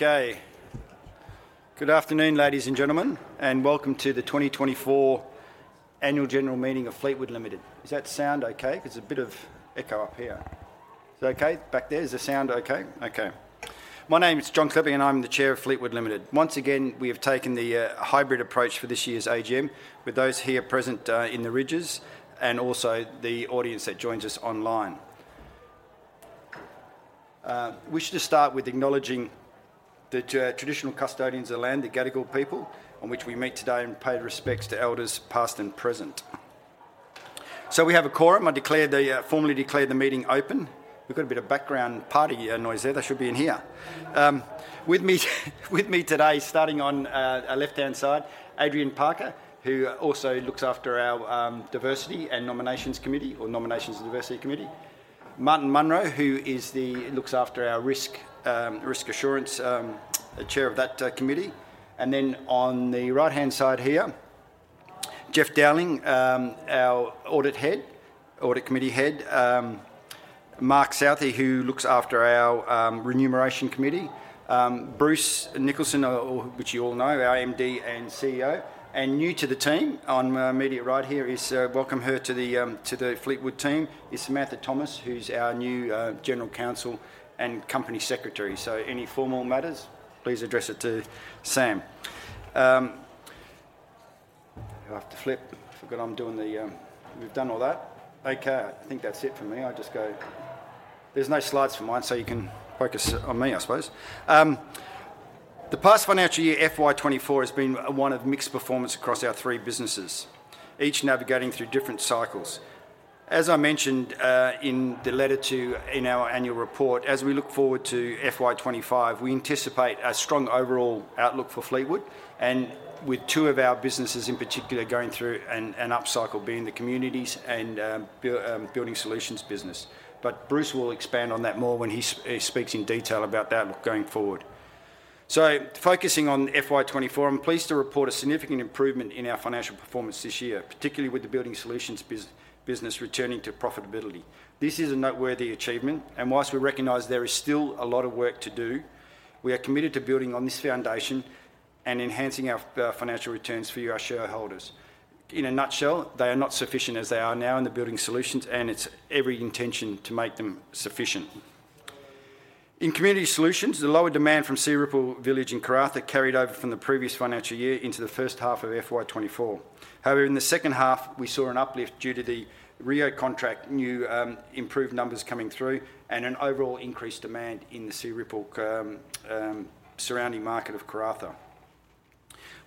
Okay. Good afternoon, ladies and gentlemen, and welcome to the 2024 Annual General Meeting of Fleetwood Limited. Does that sound okay? There's a bit of echo up here. Okay. Back there is the sound. Okay. Okay. My name is John Klepec and I'm the Chair of Fleetwood Limited. Once again, we have taken the hybrid approach for this year's AGM with those here present in the Rydges and also the audience that joins us online. We should just start with acknowledging the traditional custodians of the land, the Gadigal people on which we meet today, and pay respects to elders past and present. So we have a quorum. I declare the meeting formally open. We've got a bit of background party noise there. They should be in here with me today. Starting on our left-hand side, Adrian Parker, who also looks after our Diversity and Nominations Committee or Nominations and Diversity Committee, Martin Munro, who looks after our Risk Assurance Chair of that committee. And then on the right-hand side here, Jeff Dowling, our audit head. Audit Committee head, Mark Southey, who looks after our Remuneration Committee, Bruce Nicholson, which you all know, our MD and CEO. And new to the team on my right, right here is welcome her to the Fleetwood team is Samantha Thomas, who's our new General Counsel and Company Secretary. So any formal matters, please address it to Sam. We've done all that. Okay. I think that's it for me. I just go, there's no slides for mine, so you can focus on me, I suppose. The past financial year, FY24, has been one of mixed performance across our three businesses, each navigating through different cycles. As I mentioned in the letter to shareholders in our annual report, as we look forward to FY25, we anticipate a strong overall outlook for Fleetwood. And with two of our businesses in particular going through an upcycle being the Communities and Building Solutions business. But Bruce will expand on that more when he speaks in detail about that going forward. So, focusing on FY24, I'm pleased to report a significant improvement in our financial performance this year, particularly with the Building Solutions business returning to profitability. This is a noteworthy achievement and while we recognize there is still a lot of work to do, we are committed to building on this foundation and enhancing our financial returns for you, our shareholders. In a nutshell, they are not sufficient as they are now in the Building Solutions and it's every intention to make them sufficient in Community Solutions. The lower demand from Searipple Village in Karratha carried over from the previous financial year into the first half of FY24. However, in the second half we saw an uplift due to the Rio contract, new improved numbers coming through and an overall increased demand in the Searipple surrounding market of Karratha.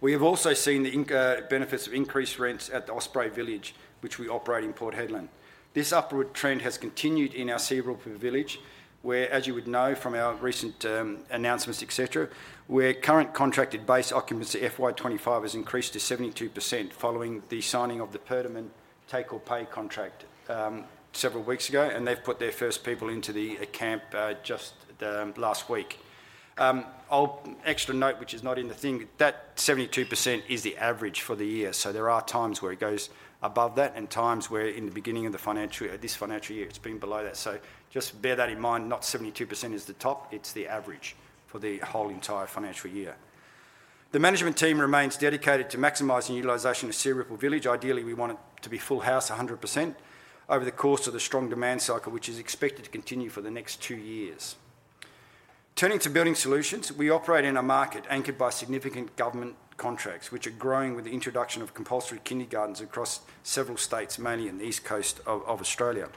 We have also seen the benefits of increased rents at the Osprey Village which we operate in Port Hedland. This upward trend has continued in our Searipple Village where as you would know from our recent announcements etc, where current contracted base occupancy FY25 has increased to 72% following the signing of the Perdaman take or pay contract several weeks ago and they've put their first people into the camp just last week. Extra note which is not in the thing that 72% is the average for the year so there are times where it goes above that and times where in the beginning of the financial, this financial year it's been below that. So just bear that in mind. Not 72% is the top, it's the average for the whole entire financial year. The management team remains dedicated to maximizing utilization of Searipple Village. Ideally we want it to be full house 100% over the course of the strong demand cycle which is expected to continue for the next two years. Turning to Building Solutions, we operate in a market anchored by significant government contracts which are growing with the introduction of compulsory kindergartens across several states, mainly in the East Coast of Australia.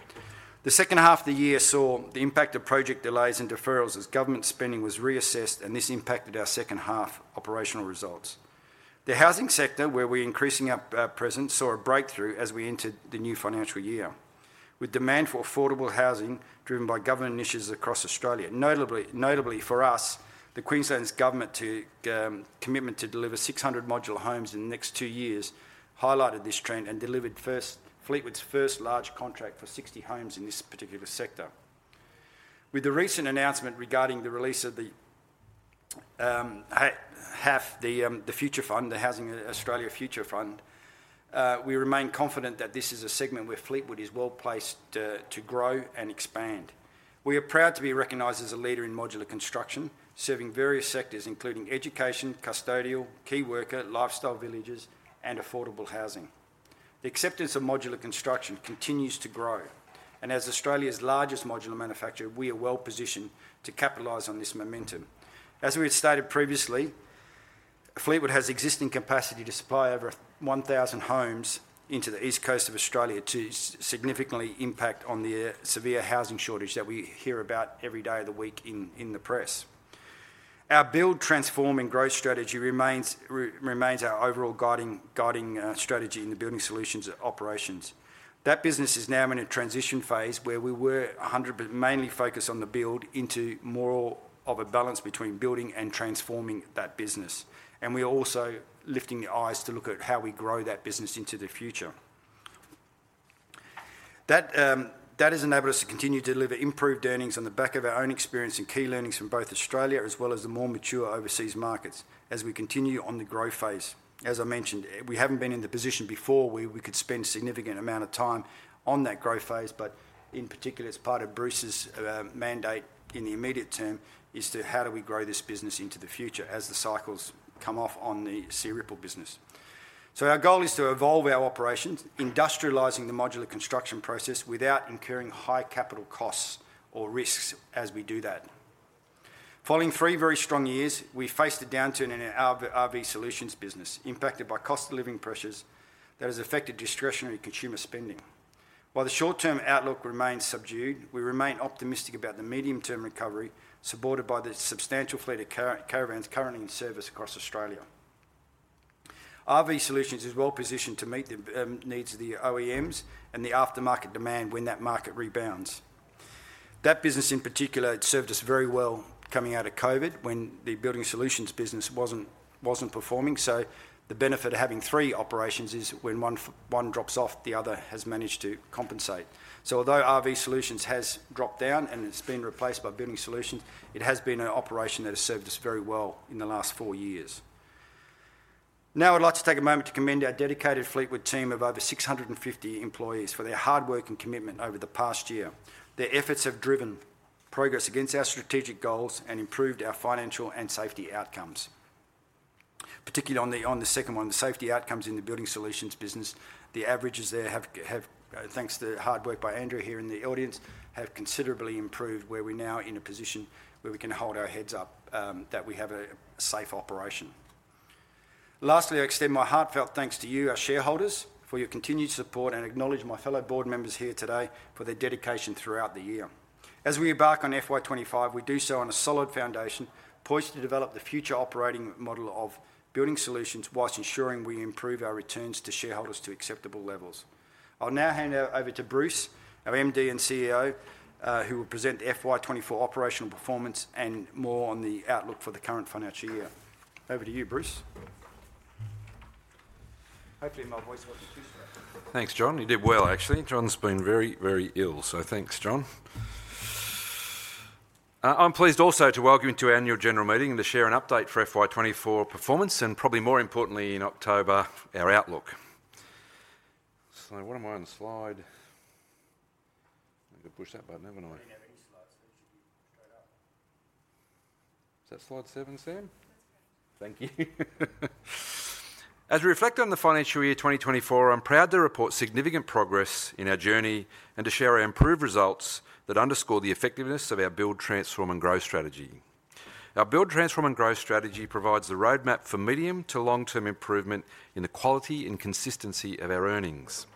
The second half of the year saw the impact of project delays and deferrals as government spending was reassessed and this impacted our second half operational results. The housing sector where we are increasing our presence, saw a breakthrough as we entered the new financial year with demand for affordable housing driven by government initiatives across Australia. Notably for us, the Queensland's government commitment to deliver 600 modular homes in the next two years highlighted this trend and delivered Fleetwood's first large contract for 60 homes in this particular sector. With the recent announcement regarding the release of the HAFF, the Housing Australia Future Fund, we remain confident that this is a segment where Fleetwood is well placed to grow and expand. We are proud to be recognized as a leader in modular construction serving various sectors including education, custodial, key worker lifestyle villages and affordable housing. The acceptance of modular construction continues to grow and as Australia's largest modular manufacturer we are well positioned to capitalize on this momentum. As we had stated previously, Fleetwood has existing capacity to supply over 1,000 homes into the East Coast of Australia to significantly impact on the severe housing shortage that we hear about every day of the week in the press. Our Build, Transform and Grow strategy remains our overall guiding strategy in the Building Solutions operations. That business is now in a transition phase where we were 100% mainly focused on the build into more of a balance between building and transforming that business and we are also lifting the eyes to look at how we grow that business into the future. That has enabled us to continue to deliver improved earnings on the back of our own experience and key learnings from both Australia as well as the more mature overseas markets as we continue on the growth phase. As I mentioned, we haven't been in the position before where we could spend significant amount of time on that growth phase, but in particular it's part of Bruce's mandate in the immediate term is to how do we grow this business into the future as the cycles come off on the Searipple business? Our goal is to evolve our operations, industrializing the modular construction process without incurring high capital costs or risks. As we do that, following three very strong years we faced a downturn in our RV Solutions business, impacted by cost of living pressures that has affected discretionary consumer spending. While the short term outlook remains subdued, we remain optimistic about the medium term recovery. Supported by the substantial fleet of caravans currently in service across Australia, RV Solutions is well positioned to meet the needs of the OEMs and the aftermarket demand when that market rebounds. That business in particular served us very well coming out of COVID when the Building Solutions business wasn't performing. The benefit of having three operations is when one drops off, the other has managed to compensate. Although RV Solutions has dropped down and it's been replaced by Building Solutions, it has been an operation that has served us very well in the last four years. Now I'd like to take a moment to commend our dedicated Fleetwood team of over 650 employees for their hard work and commitment over the past year. Their efforts have driven progress against our strategic goals and improved our financial and safety outcomes. Particularly on the second one, the safety outcomes in the Building Solutions business, the averages there have, thanks to hard work by Andrew here in the audience, considerably improved where we're now in a position where we can hold our heads up that we have a safe operation. Lastly, I extend my heartfelt thanks to you, our shareholders, for your continued support and acknowledge my fellow board members here today for their dedication throughout the year as we embark on FY25. We do so on a solid foundation poised to develop the future operating model of Building Solutions while ensuring we improve our returns to shareholders to acceptable levels. I'll now hand it over to Bruce, our MD and CEO, who will present the FY24 operational performance and more on the outlook for the current financial year. Over to you, Bruce. Hopefully my voice wasn't too, thanks John, you did well. Actually, John's been very, very ill, so thanks John. I'm pleased also to welcome you to our annual general meeting and to share an update for FY24 performance and probably more importantly in October, our outlook. So what am I on the slide? I've got to push that button, haven't I? Is that slide 7? Sam, thank you. As we reflect on the financial year 2024, I'm proud to report significant progress in our journey and to share our improved results that underscore the effectiveness of our Build, Transform and Grow strategy. Our Build, Transform and Grow strategy provides the roadmap for medium- to long-term improvement in the quality and consistency of our earnings.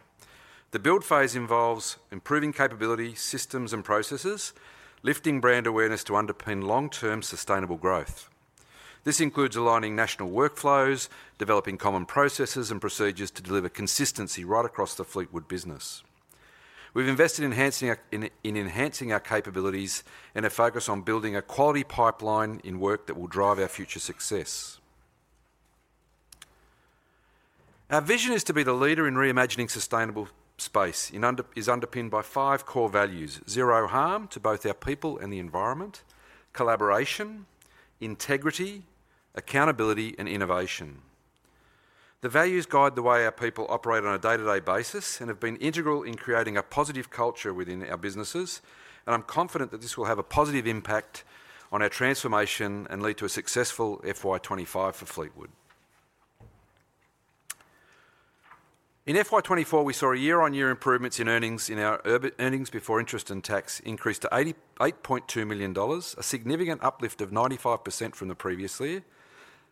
The Build phase involves improving capability, systems and processes, lifting brand awareness to underpin long-term sustainable growth. This includes aligning national workflows, developing common processes and procedures to deliver consistency right across the Fleetwood business. We've invested in enhancing our capabilities and have focused on building a quality pipeline in work that will drive our future success. Our vision is to be the leader in reimagining sustainable space is underpinned by five core values zero harm to both our people and the environment, collaboration, integrity, accountability and innovation. The values guide the way our people operate on a day to day basis and have been integral in creating a positive culture within our businesses and I'm confident that this will have a positive impact on our transformation and lead to a successful FY25 for Fleetwood. In FY24 we saw year on year improvements in earnings in our earnings before interest and tax increase to 88.2 million dollars, a significant uplift of 95% from the previous year.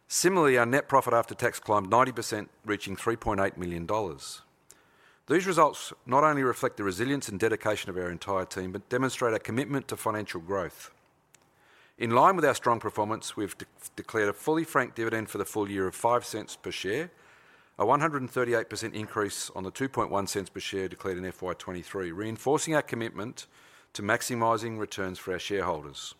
Similarly, our net profit after tax climbed 90%, reaching 3.8 million dollars. These results not only reflect the resilience and dedication of our entire team, but demonstrate our commitment to financial growth in line with our strong performance. We have declared a fully franked dividend for the full year of 0.05 per share, a 138% increase on the 0.021 per share declared in FY2023, reinforcing our commitment to maximizing returns for our shareholders.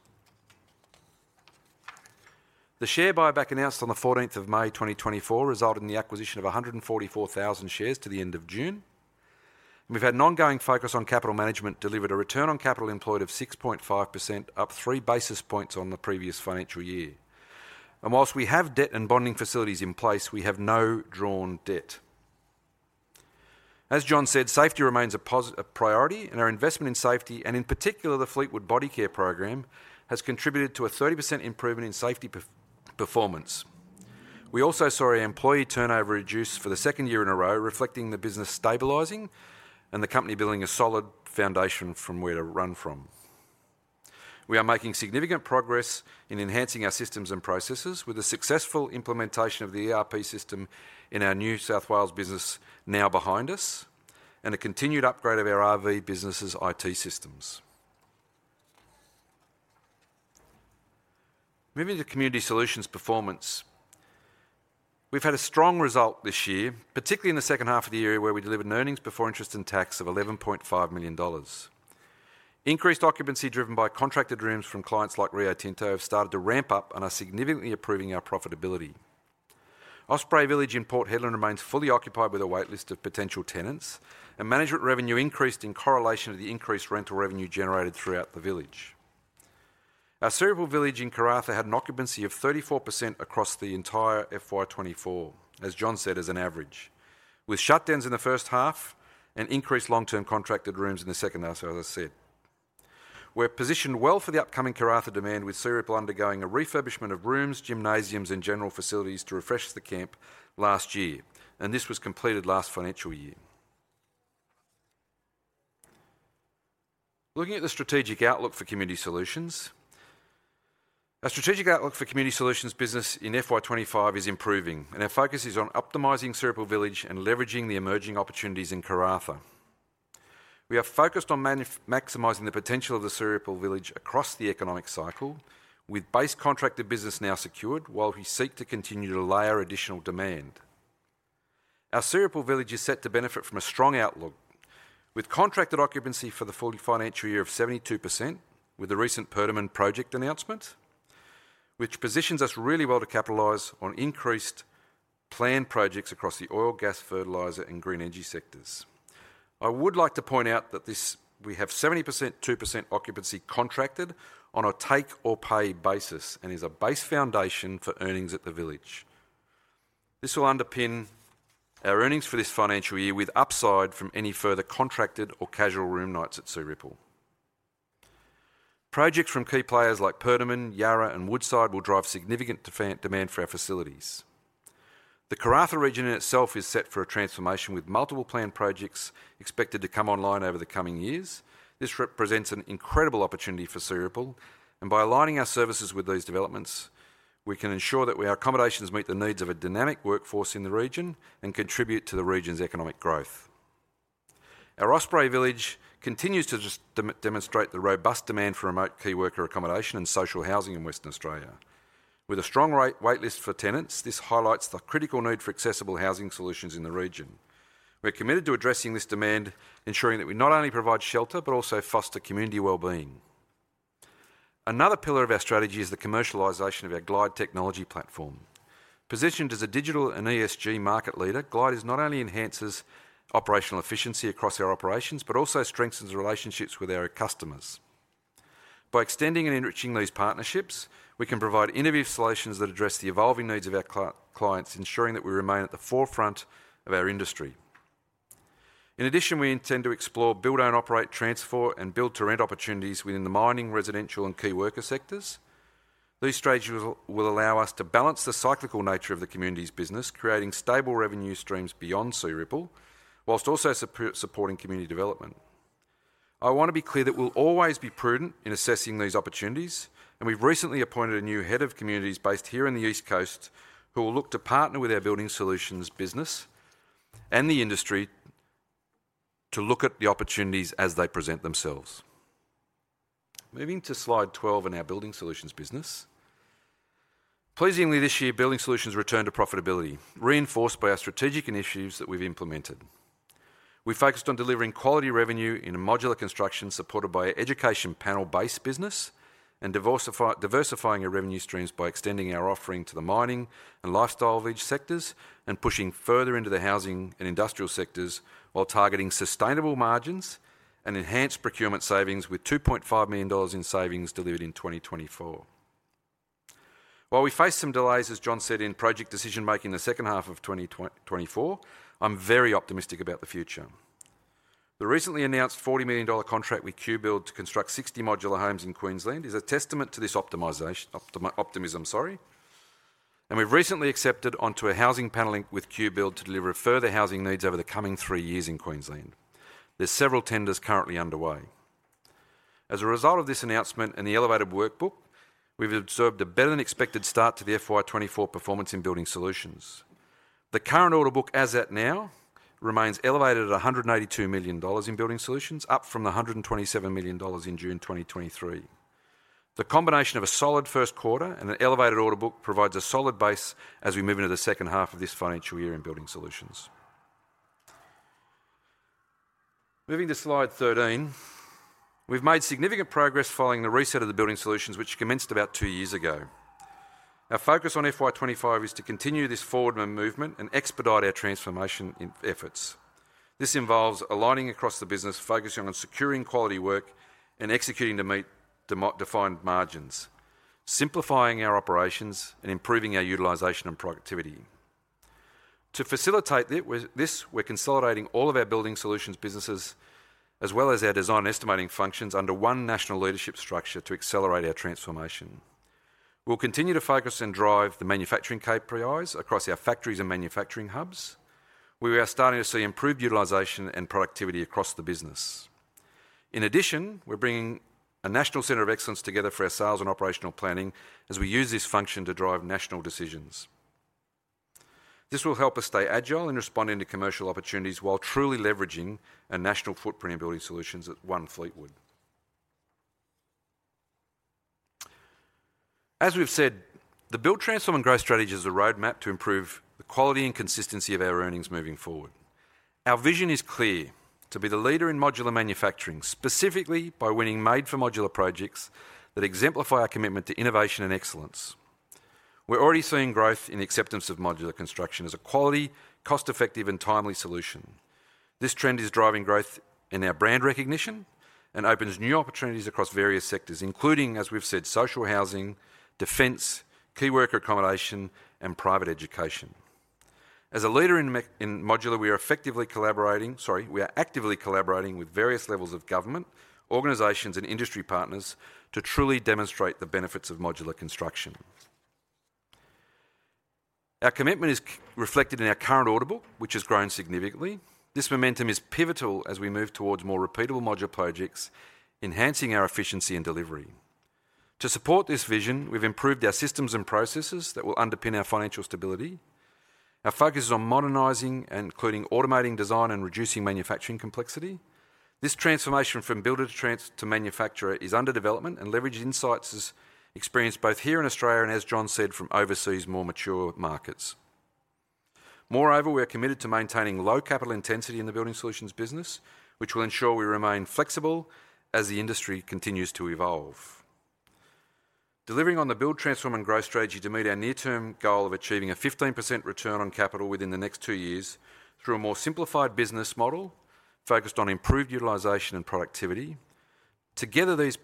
The share buyback announced on 14 May 2024 resulted in the acquisition of 144,000 shares to the end of June. We've had an ongoing focus on capital management, delivered a return on capital employed of 6.5%, up 3 basis points on the previous financial year and while we have debt and bonding facilities in place, we have no drawn debt. As John said, safety remains a priority and our investment in safety and in particular the Fleetwood Bodycare program has contributed to a 30% improvement in safety performance. We also saw our employee turnover reduce for the second year in a row reflecting the business stabilizing and the company building a solid foundation from where to run from. We are making significant progress in enhancing our systems and processes with the successful implementation of the ERP system in our New South Wales business now behind us and a continued upgrade of our RV businesses IT systems. Moving to Community Solutions performance. We've had a strong result this year particularly in the second half of the year where we delivered an earnings before interest and tax of 11.5 million dollars. Increased occupancy driven by contracted rooms from clients like Rio Tinto have started to ramp up and are significantly improving our profitability. Osprey Village in Port Hedland remains fully occupied with a wait list of potential tenants, and management revenue increased in correlation to the increased rental revenue generated throughout the village. Our Searipple Village in Karratha had an occupancy of 34% across the entire FY24. As John said, as an average with shutdowns in the first half and increased long term contracted rooms in the second half. As I said, we're positioned well for the upcoming Karratha demand with Searipple undergoing a refurbishment of rooms, gymnasiums, and general facilities to refresh the camp last year, and this was completed last financial year. Looking at the strategic outlook for Community Solutions. Our strategic outlook for Community Solutions business in FY25 is improving and our focus is on optimizing Searipple Village and leveraging the emerging opportunities in Karratha. We are focused on maximizing the potential of the Searipple Village across the economic cycle with base contracted business now secured. While we seek to continue to layer additional demand. Our Searipple Village is set to benefit from a strong outlook with contracted occupancy for the full financial year of 72%. With the recent Perdaman project announcement which positions us really well to capitalize on increased planned projects across the oil, gas, fertilizer and green energy sectors. I would like to point out that we have 70-72% occupancy contracted on a take or pay basis and is a base foundation for earnings at the village. This will underpin our earnings for this financial year with upside from any further contracted or casual room nights at Searipple. Projects from key players like Perdaman, Yara, and Woodside will drive significant demand for our facilities. The Karratha region in itself is set for a transformation with multiple planned projects expected to come online over the coming years. This represents an incredible opportunity for Searipple, and by aligning our services with these developments, we can ensure that our accommodations meet the needs of a dynamic workforce in the region and contribute to the region's economic growth. Our Osprey Village continues to demonstrate the robust demand for remote key worker accommodation and social housing in Western Australia, with a strong wait list for tenants. This highlights the critical need for accessible housing solutions in the region. We're committed to addressing this demand, ensuring that we not only provide shelter but also foster community well-being. Another pillar of our strategy is the commercialization of our Glide technology platform. Positioned as a digital and ESG market leader, Glide not only enhances operational efficiency across our operations, but also strengthens relationships with our customers. By extending and enriching these partnerships, we can provide innovative solutions that address the evolving needs of our clients, ensuring that we remain at the forefront of our industry. In addition, we intend to explore build, own, operate, transfer and build-to-rent opportunities within the mining, residential and key worker sectors. These strategies will allow us to balance the cyclical nature of the Communities business, creating stable revenue streams beyond Searipple while also supporting community development. I want to be clear that we'll always be prudent in assessing these opportunities and we've recently appointed a new Head of Communities based here in the East Coast who will look to partner with our Building Solutions business and the industry to look at the opportunities as they present themselves. Moving to slide 12 in our Building Solutions business. Pleasingly this year Building Solutions returned to profitability reinforced by our strategic initiatives that we've implemented. We focused on delivering quality revenue in a Modular Construction supported by our education panel based business and diversifying our revenue streams by extending our offering to the mining and lifestyle sectors and pushing further into the housing and industrial sectors while targeting sustainable margins and enhanced procurement savings with 2.5 million dollars in savings delivered in 2024. While we face some delays, as John said in project decision making the second half of 2024, I'm very optimistic about the future. The recently announced 40 million dollar contract with QBuild to construct 60 modular homes in Queensland is a testament to this optimism. Sorry, and we've recently accepted onto a housing panel with QBuild to deliver further housing needs over the coming three years in Queensland. There's several tenders currently underway. As a result of this announcement and the elevated workbook, we've observed a better than expected start to the FY24 performance in Building Solutions. The current order book as at now remains elevated at 182 million dollars in Building Solutions, up from the 127 million dollars in June 2023. The combination of a solid first quarter and an elevated order book provides a solid base as we move into the second half of this financial year in Building Solutions. Moving to slide 13 we've made significant progress following the reset of the Building Solutions which commenced about two years ago. Our focus on FY25 is to continue this forward movement and expedite our transformation efforts. This involves aligning across the business, focusing on securing quality work and executing to meet defined margins, simplifying our operations and improving our utilization and productivity. To facilitate this, we're consolidating all of our Building Solutions businesses as well as our design estimating functions under one national leadership structure. To accelerate our transformation, we'll continue to focus and drive the manufacturing KPIs across our factories and manufacturing hubs. We are starting to see improved utilization and productivity across the business. In addition, we're bringing a National Center of Excellence together for our sales and operational planning as we use this function to drive national decisions. This will help us stay agile in responding to commercial opportunities while truly leveraging a national footprint in building solutions. At one Fleetwood as we've said, the Build, Transform and Grow strategy is a roadmap to improve the quality and consistency of our earnings moving forward. Our vision is clear to be the leader in modular manufacturing, specifically by winning made for modular projects that exemplify our commitment to innovation and excellence. We're already seeing growth in the acceptance of modular construction as a quality, cost-effective and timely solution. This trend is driving growth in our brand recognition and opens new opportunities across various sectors including, as we've said, social housing, defense, key worker accommodation, and private education. As a leader in modular, we are actively collaborating with various levels of government organizations and industry partners to truly demonstrate the benefits of modular construction. Our commitment is reflected in our current order book which has grown significantly. This momentum is pivotal as we move towards more repeatable modular projects, enhancing our efficiency and delivery. To support this vision, we've improved our systems and processes that will underpin our financial stability. Our focus is on modernizing, including automating design and reducing manufacturing complexity. This transformation from builder to manufacturer is under development and leverage insights experienced both here in Australia and as John said from overseas, more mature markets. Moreover, we are committed to maintaining low capital intensity in the building solutions business which will ensure we remain flexible as the industry continues to evolve. Delivering on the Build, Transform and Grow strategy to meet our near term goal of achieving a 15% return on capital within the next two years through a more simplified business model focused on improved utilization and productivity. Together these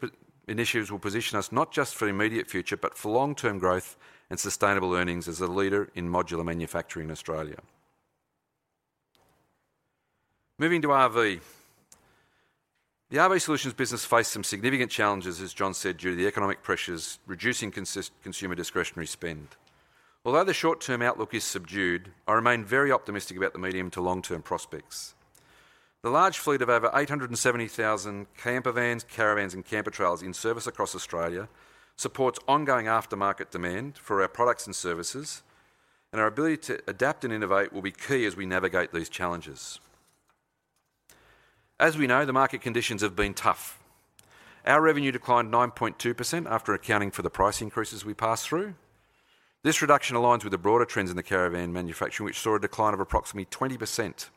initiatives will position us not just for immediate future but for long term growth and sustainable earnings as a leader in modular manufacturing in Australia. Moving to RV, the RV Solutions business faced some significant challenges as John said due to the economic pressures reducing consumer discretionary spend. Although the short term outlook is subdued, I remain very optimistic about the medium to long term prospects. The large fleet of over 870,000 camper vans, caravans and camper trailers in service across Australia supports ongoing aftermarket demand for our products and services and our ability to adapt and innovate will be key as we navigate these challenges. As we know the market conditions have been tough. Our revenue declined 9.2% after accounting for the price increases we passed through. This reduction aligns with the broader trends in the caravan manufacturing which saw a decline of approximately 20%.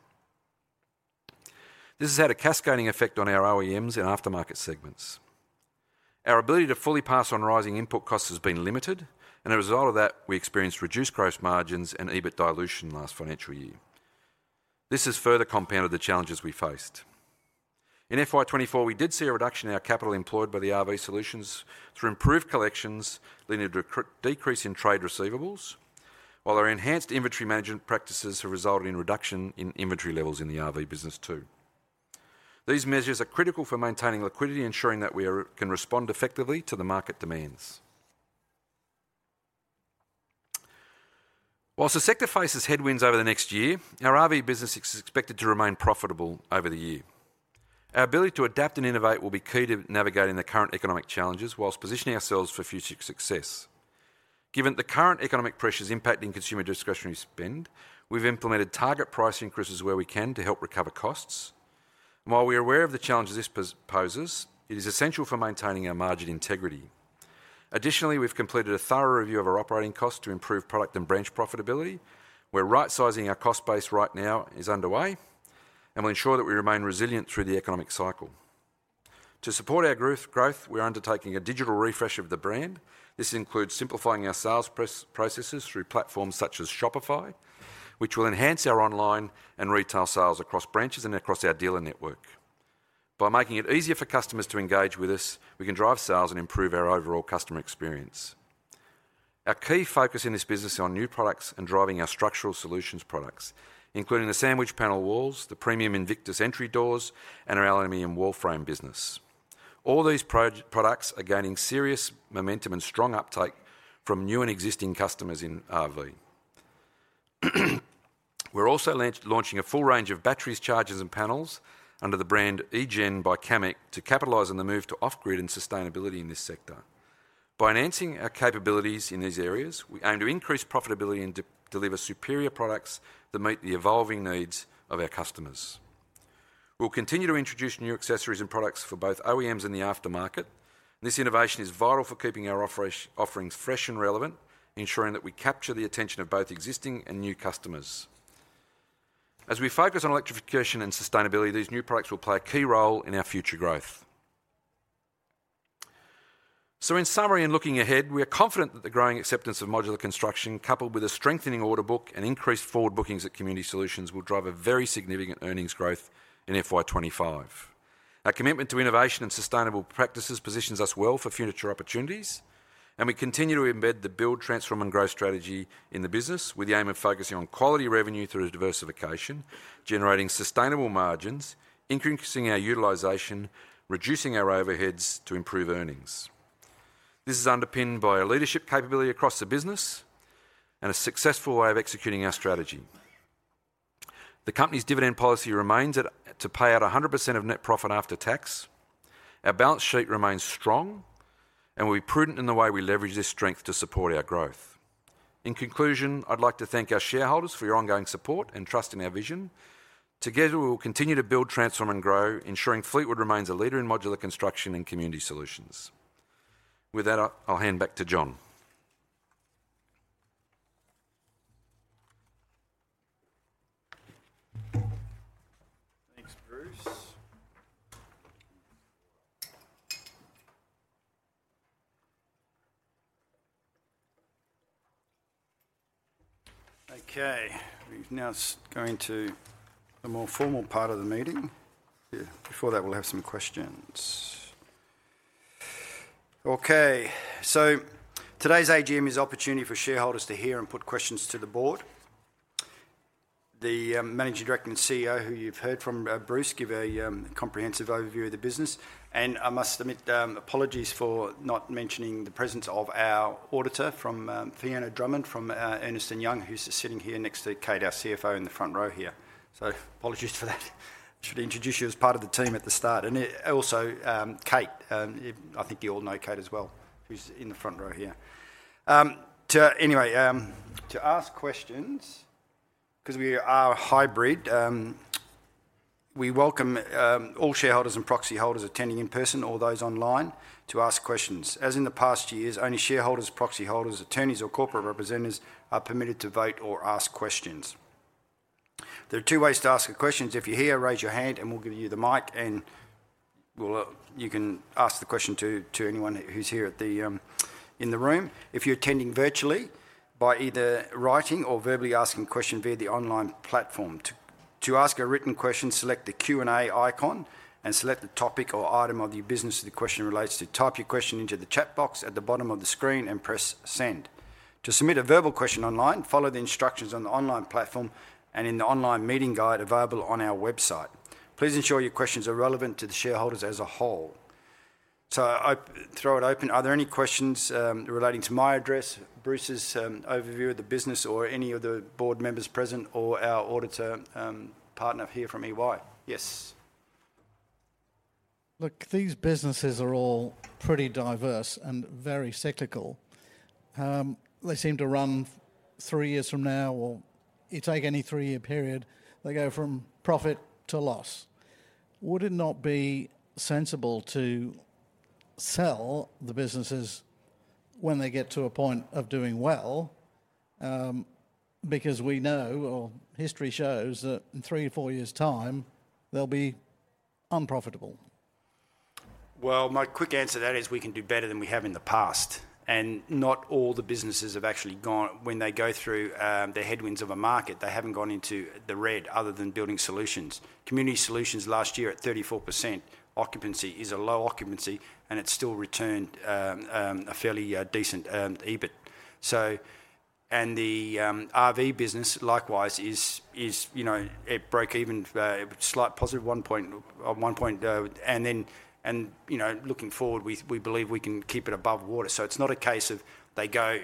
This has had a cascading effect on our OEMs in aftermarket segments. Our ability to fully pass on rising input costs has been limited and as a result of that we experienced reduced gross margins and EBIT dilution last financial year. This has further compounded the challenges we faced in FY24. We did see a reduction in our capital employed by the RV Solutions through improved collections leading to a decrease in trade receivables while our enhanced inventory management practices have resulted in reduction in inventory levels. In the RV business too, these measures are critical for maintaining liquidity, ensuring that we can respond effectively to the market demands. While the sector faces headwinds over the next year, our RV business is expected to remain profitable over the year. Our ability to adapt and innovate will be key to navigating the current economic challenges while positioning ourselves for future success. Given the current economic pressures impacting consumer discretionary spend, we have implemented target price increases where we can to help recover costs. While we are aware of the challenges this poses, it is essential for maintaining our margin integrity. Additionally, we've completed a thorough review of our operating costs to improve product and branch profitability where right. Sizing our cost base right now is underway and will ensure that we remain resilient through the economic cycle. To support our growth, we're undertaking a digital refresh of the brand. This includes simplifying our sales processes through platforms such as Shopify, which will enhance our online and retail sales across branches and across our dealer network. By making it easier for customers to engage with us, we can drive sales and improve our overall customer experience. Our key focus in this business on new products and driving our structural solutions products, including the sandwich panel walls, the premium Invictus entry doors and our aluminum wall frame business. All these products are gaining serious momentum and strong uptake from new and existing customers in RV. We're also launching a full range of batteries, chargers and panels under the brand eGen by Camec to capitalize on the move to off grid and sustainability in this sector. By enhancing our capabilities in these areas, we aim to increase profitability and deliver superior products that meet the evolving needs of our customers. We'll continue to introduce new accessories and products for both OEMs and the aftermarket. This innovation is vital for keeping our offerings fresh and relevant, ensuring that we capture the attention of both existing and new customers. As we focus on electrification and sustainability, these new products will play a key role in our future growth. So, in summary and looking ahead, we are confident that the growing acceptance of modular construction, coupled with a strengthening order book and increased forward bookings at Community Solutions will drive a very significant earnings growth in FY25. Our commitment to innovation and sustainable practices positions us well for future opportunities and we continue to embed the Build, Transform and Grow strategy in the business with the aim of focusing on quality revenue through diversification, generating sustainable margins, increasing our utilization, reducing our overheads to improve earnings. This is underpinned by a leadership capability across the business and a successful way of executing our strategy. The company's dividend policy remains to pay out 100% of net profit after tax. Our balance sheet remains strong and we'll be prudent in the way we leverage this strength to support our growth. In conclusion, I'd like to thank our shareholders for your ongoing support and trust in our vision. Together we will continue to Build, Transform and Grow, ensuring Fleetwood remains a leader in modular construction and community solutions. With that, I'll hand back to John. Thanks, Bruce. Okay, we've now going to the more formal part of the meeting. Before that we'll have some questions. Okay, so today's AGM is opportunity for shareholders to hear and put questions to the board, the Managing Director and CEO who you've heard from Bruce give a comprehensive overview of the business and I must admit apologies for not mentioning the presence of our auditor. From Fiona Drummond, from Ernst & Young who's sitting here next to Kate, our CFO in the front row here. So apologies for that. Should introduce you as part of the team at the start and also Kate, I think you all know Kate as well. Who's in the front row here anyway to ask questions because we are hybrid we welcome all shareholders and proxy holders attending in person or those online to ask questions. As in the past years, only shareholders, proxy holders, attorneys or corporate representatives are permitted to vote or ask questions. There are two ways to ask a question. If you're here, raise your hand and we'll give you the mic and you can ask the question to anyone who's here in the room. If you're attending virtually by either writing or verbally asking questions via the online platform. To ask a written question, select the Q and A icon and select the topic or item of your business the question relates to. Type your question into the chat box at the bottom of the screen and press send. To submit a verbal question online, follow the instructions on the online platform and in the online meeting guide available on our website. Please ensure your questions are relevant to the shareholders as a whole. So throw it open. Are there any questions relating to my address, Bruce's overview of the business or any of the board members present or our auditor partner here from EY? Yes. Look, these businesses are all pretty diverse and very cyclical. They seem to run three years from now or you take any three year period, they go from profit to loss. Would it not be sensible to sell the businesses when they get to a point of doing well? Because we know history shows that in three or four years time they'll be unprofitable. My quick answer to that is we can do better than we have in the past and not all the businesses have actually gone. When they go through the headwinds of a market, they haven't gone into the red other than Building Solutions. Community Solutions last year at 34% occupancy is a low occupancy and it still returned a fairly decent EBIT. So and the RV business likewise is, you know, it broke even. Slight positive one point. One point. And then and you know, looking forward we believe we can keep it above water. So it's not a case of they go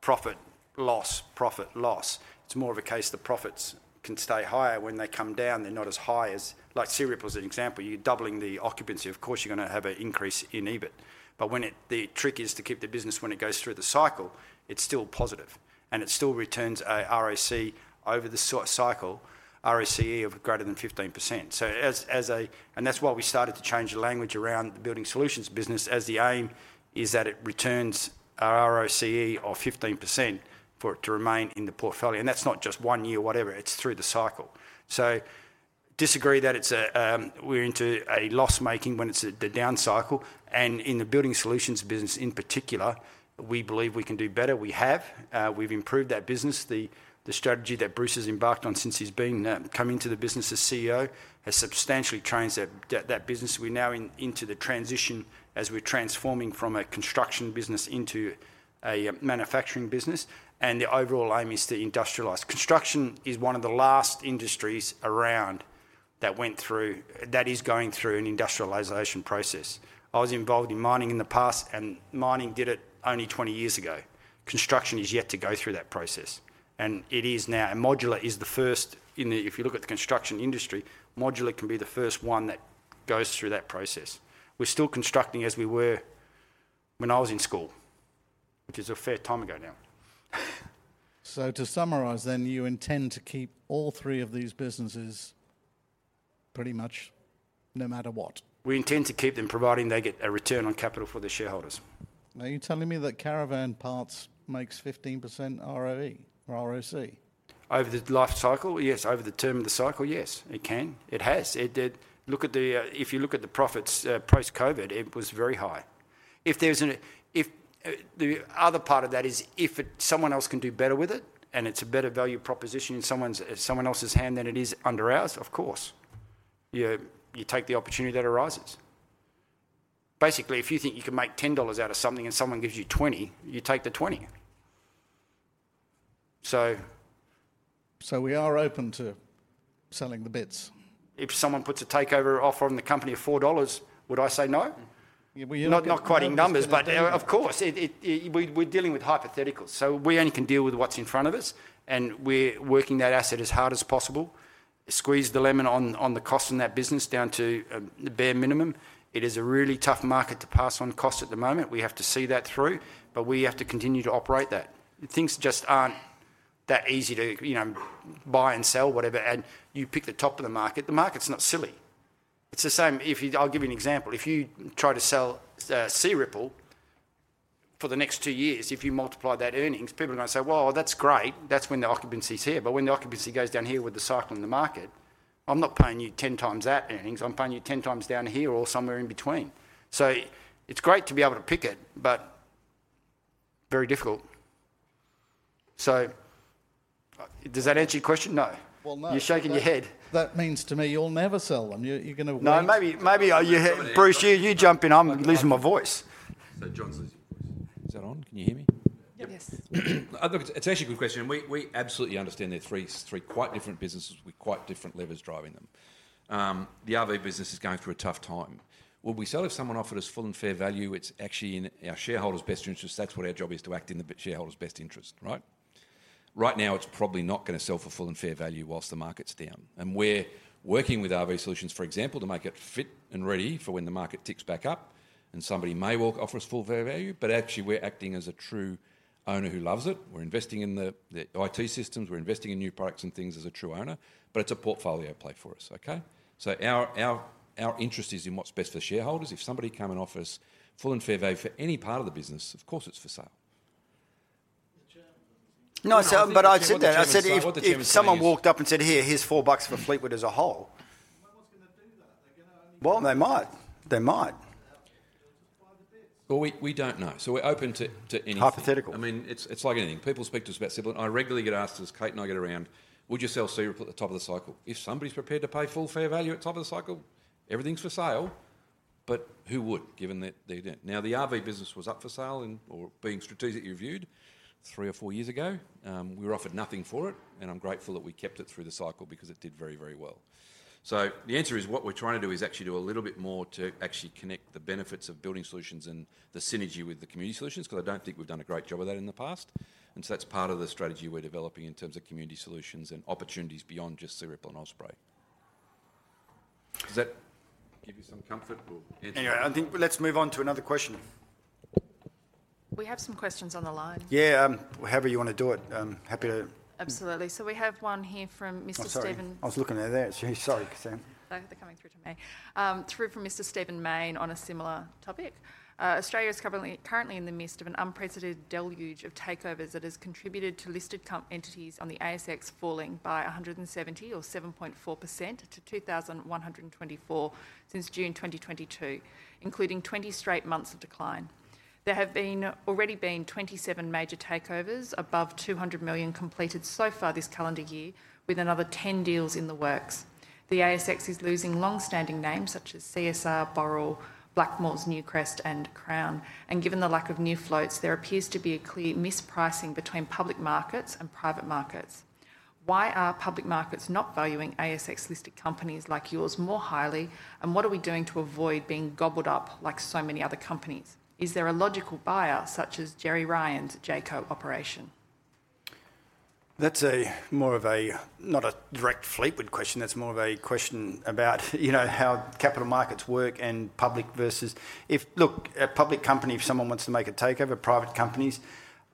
profit, loss, profit loss. It's more of a case the profits can stay higher. When they come down, they're not as high as like Searipple was an example. You're doubling the occupancy. Of course you're going to have an increase in EBIT. But the trick is to keep the business when it goes through the cycle, it's still positive and it still returns a ROCE over the cycle rate of greater than 15%. So, as a. And that's why we started to change the language around the Building Solutions business as the aim is that it returns our ROCE of 15% for it to remain in the portfolio and that's not just one year whatever it's through the cycle. So I disagree that it's a. We're into a loss making when it's the down cycle and in the Building Solutions business in particular, we believe we can do better. We've improved that business. The strategy that Bruce has embarked on since he's been coming to the business as CEO has substantially transformed that business. We're now into the transition as we're transforming from a construction business into a manufacturing business, and the overall aim is to industrialize. Construction is one of the last industries around that went through that is going through an industrialization process. I was involved in mining in the past, and mining did it only 20 years ago. Construction is yet to go through that process, and it is now. Modular is the first. If you look at the construction industry, modular can be the first one that goes through that process. We're still constructing as we were when I was in school, which is a fair time ago now. So to summarise then you intend to keep all three of these businesses pretty much no matter what. we intend to keep them providing they get a return on capital for their shareholders. Are you telling me that caravan parts makes 15% ROE or ROC over the life cycle? Yes. Over the term of the cycle, yes. It can. It has. It did. Look, if you look at the profits post-COVID, it was very high. If there's an if. The other part of that is if someone else can do better with it and it's a better value proposition in someone's someone else's hand than it is under ours. Of course you take the opportunity that arises. Basically. If you think you can make 10 dollars out of something and someone gives you 20, you take the 20. So we are open to selling the bits. If someone puts a takeover offer on the company of $4, would I say no? Not quoting numbers but of course we're dealing with hypotheticals so we only can deal with what's in front of us and we're working that asset as hard as possible. Squeeze the lemon on the cost in that business down to the bare minimum. It is a really tough market to pass on costs at the moment, we have to see that through, but we have to continue to operate that. Things just aren't that easy to buy and sell, whatever. And you pick the top of the market. The market's not silly. It's the same. I'll give you an example. If you try to sell Searipple for the next two years, if you multiply that earnings, people are going to say, well, that's great. That's when the occupancy is here. But when the occupancy goes down here with the cycle in the market, I'm not paying you 10 times that earnings, I'm paying you 10 times down here or somewhere in between. So it's great to be able to pick it, but very difficult. So does that answer your question? No. You're shaking your head. That means to me you'll never sell them. You're going to. No. Maybe. Bruce, you jump in. I'm losing my voice. So John's losing his voice. Is that on? Can you hear me? Yes. It's actually a good question. We absolutely understand there are three quite different businesses with quite different levers driving them. The RV business is going through a tough time. Would we sell if someone offered us full and fair value? It's actually in our shareholders' best interest. That's what our job is, to act in the shareholders' best interest. Right. Right now it's probably not going to sell for full and fair value whilst the market's down. And we're working with RV Solutions, for example, to make it fit and ready for when the market ticks back up and somebody may walk offer us full fair value. But actually we're acting as a true owner who loves it. We're investing in the IT systems, we're investing in new products and things as a true owner. But it's a portfolio play for us. Okay, so our interest is in what's best for shareholders. If somebody come and offer us full and fair value for any part of the business, of course it's for sale. No, but I said that. I said if someone walked up and said, "Here, here's four bucks for Fleetwood as a whole." Well, they might. They might. We don't know. We're open to hypothetical. I mean, it's like anything people speak to us about. Building. I regularly get asked, as Kate and I get around, would you sell company at the top of the cycle? If somebody's prepared to pay full fair value at the top of the cycle, everything's for sale. But who would given that they didn't? Now, the RV Business was up for sale or being strategically reviewed three or four years ago. We were offered nothing for it. And I'm grateful that we kept it through the cycle because it did very, very well. The answer is what we're trying to do is actually do a little bit more to actually connect the benefits of Building Solutions and the synergy with the Community Solutions, because I don't think we've done a great job of that in the past. And so that's part of the strategy we're developing in terms of Community Solutions and opportunities beyond just Searipple and Osprey. Does that give you some comfort? Anyway, I think let's move on to another question. We have some questions on the line. Yeah. However you want to do it. Happy to, absolutely. So we have one here from Mr. Stephen. I was looking at that. Sorry, Cassandra, they're coming through to me. Through from Mr. Stephen Mayne. On a similar topic, Australia is currently in the midst of an unprecedented deluge of takeovers that has contributed to listed entities on the ASX falling by 170 or 7.4% to 2,124 since June 2022, including 20 straight months of decline. There have already been 27 major takeovers above 200 million completed so far this calendar year. With another 10 deals in the works. The ASX is losing longstanding names such as CSR, Boral, Blackmores, Newcrest and Crown. And given the lack of new floats, there appears to be a clear mispricing between public markets and private markets. Why are public markets not valuing ASX listed companies like yours more highly and what are we doing to avoid being gobbled up like so many other companies? Is there a logical buyer such as Gerry Ryan's Jayco operation? That's more of a not a direct Fleetwood question. That's more of a question about, you know, how capital markets work and public versus if, look a public company, if someone wants to make a takeover, private companies.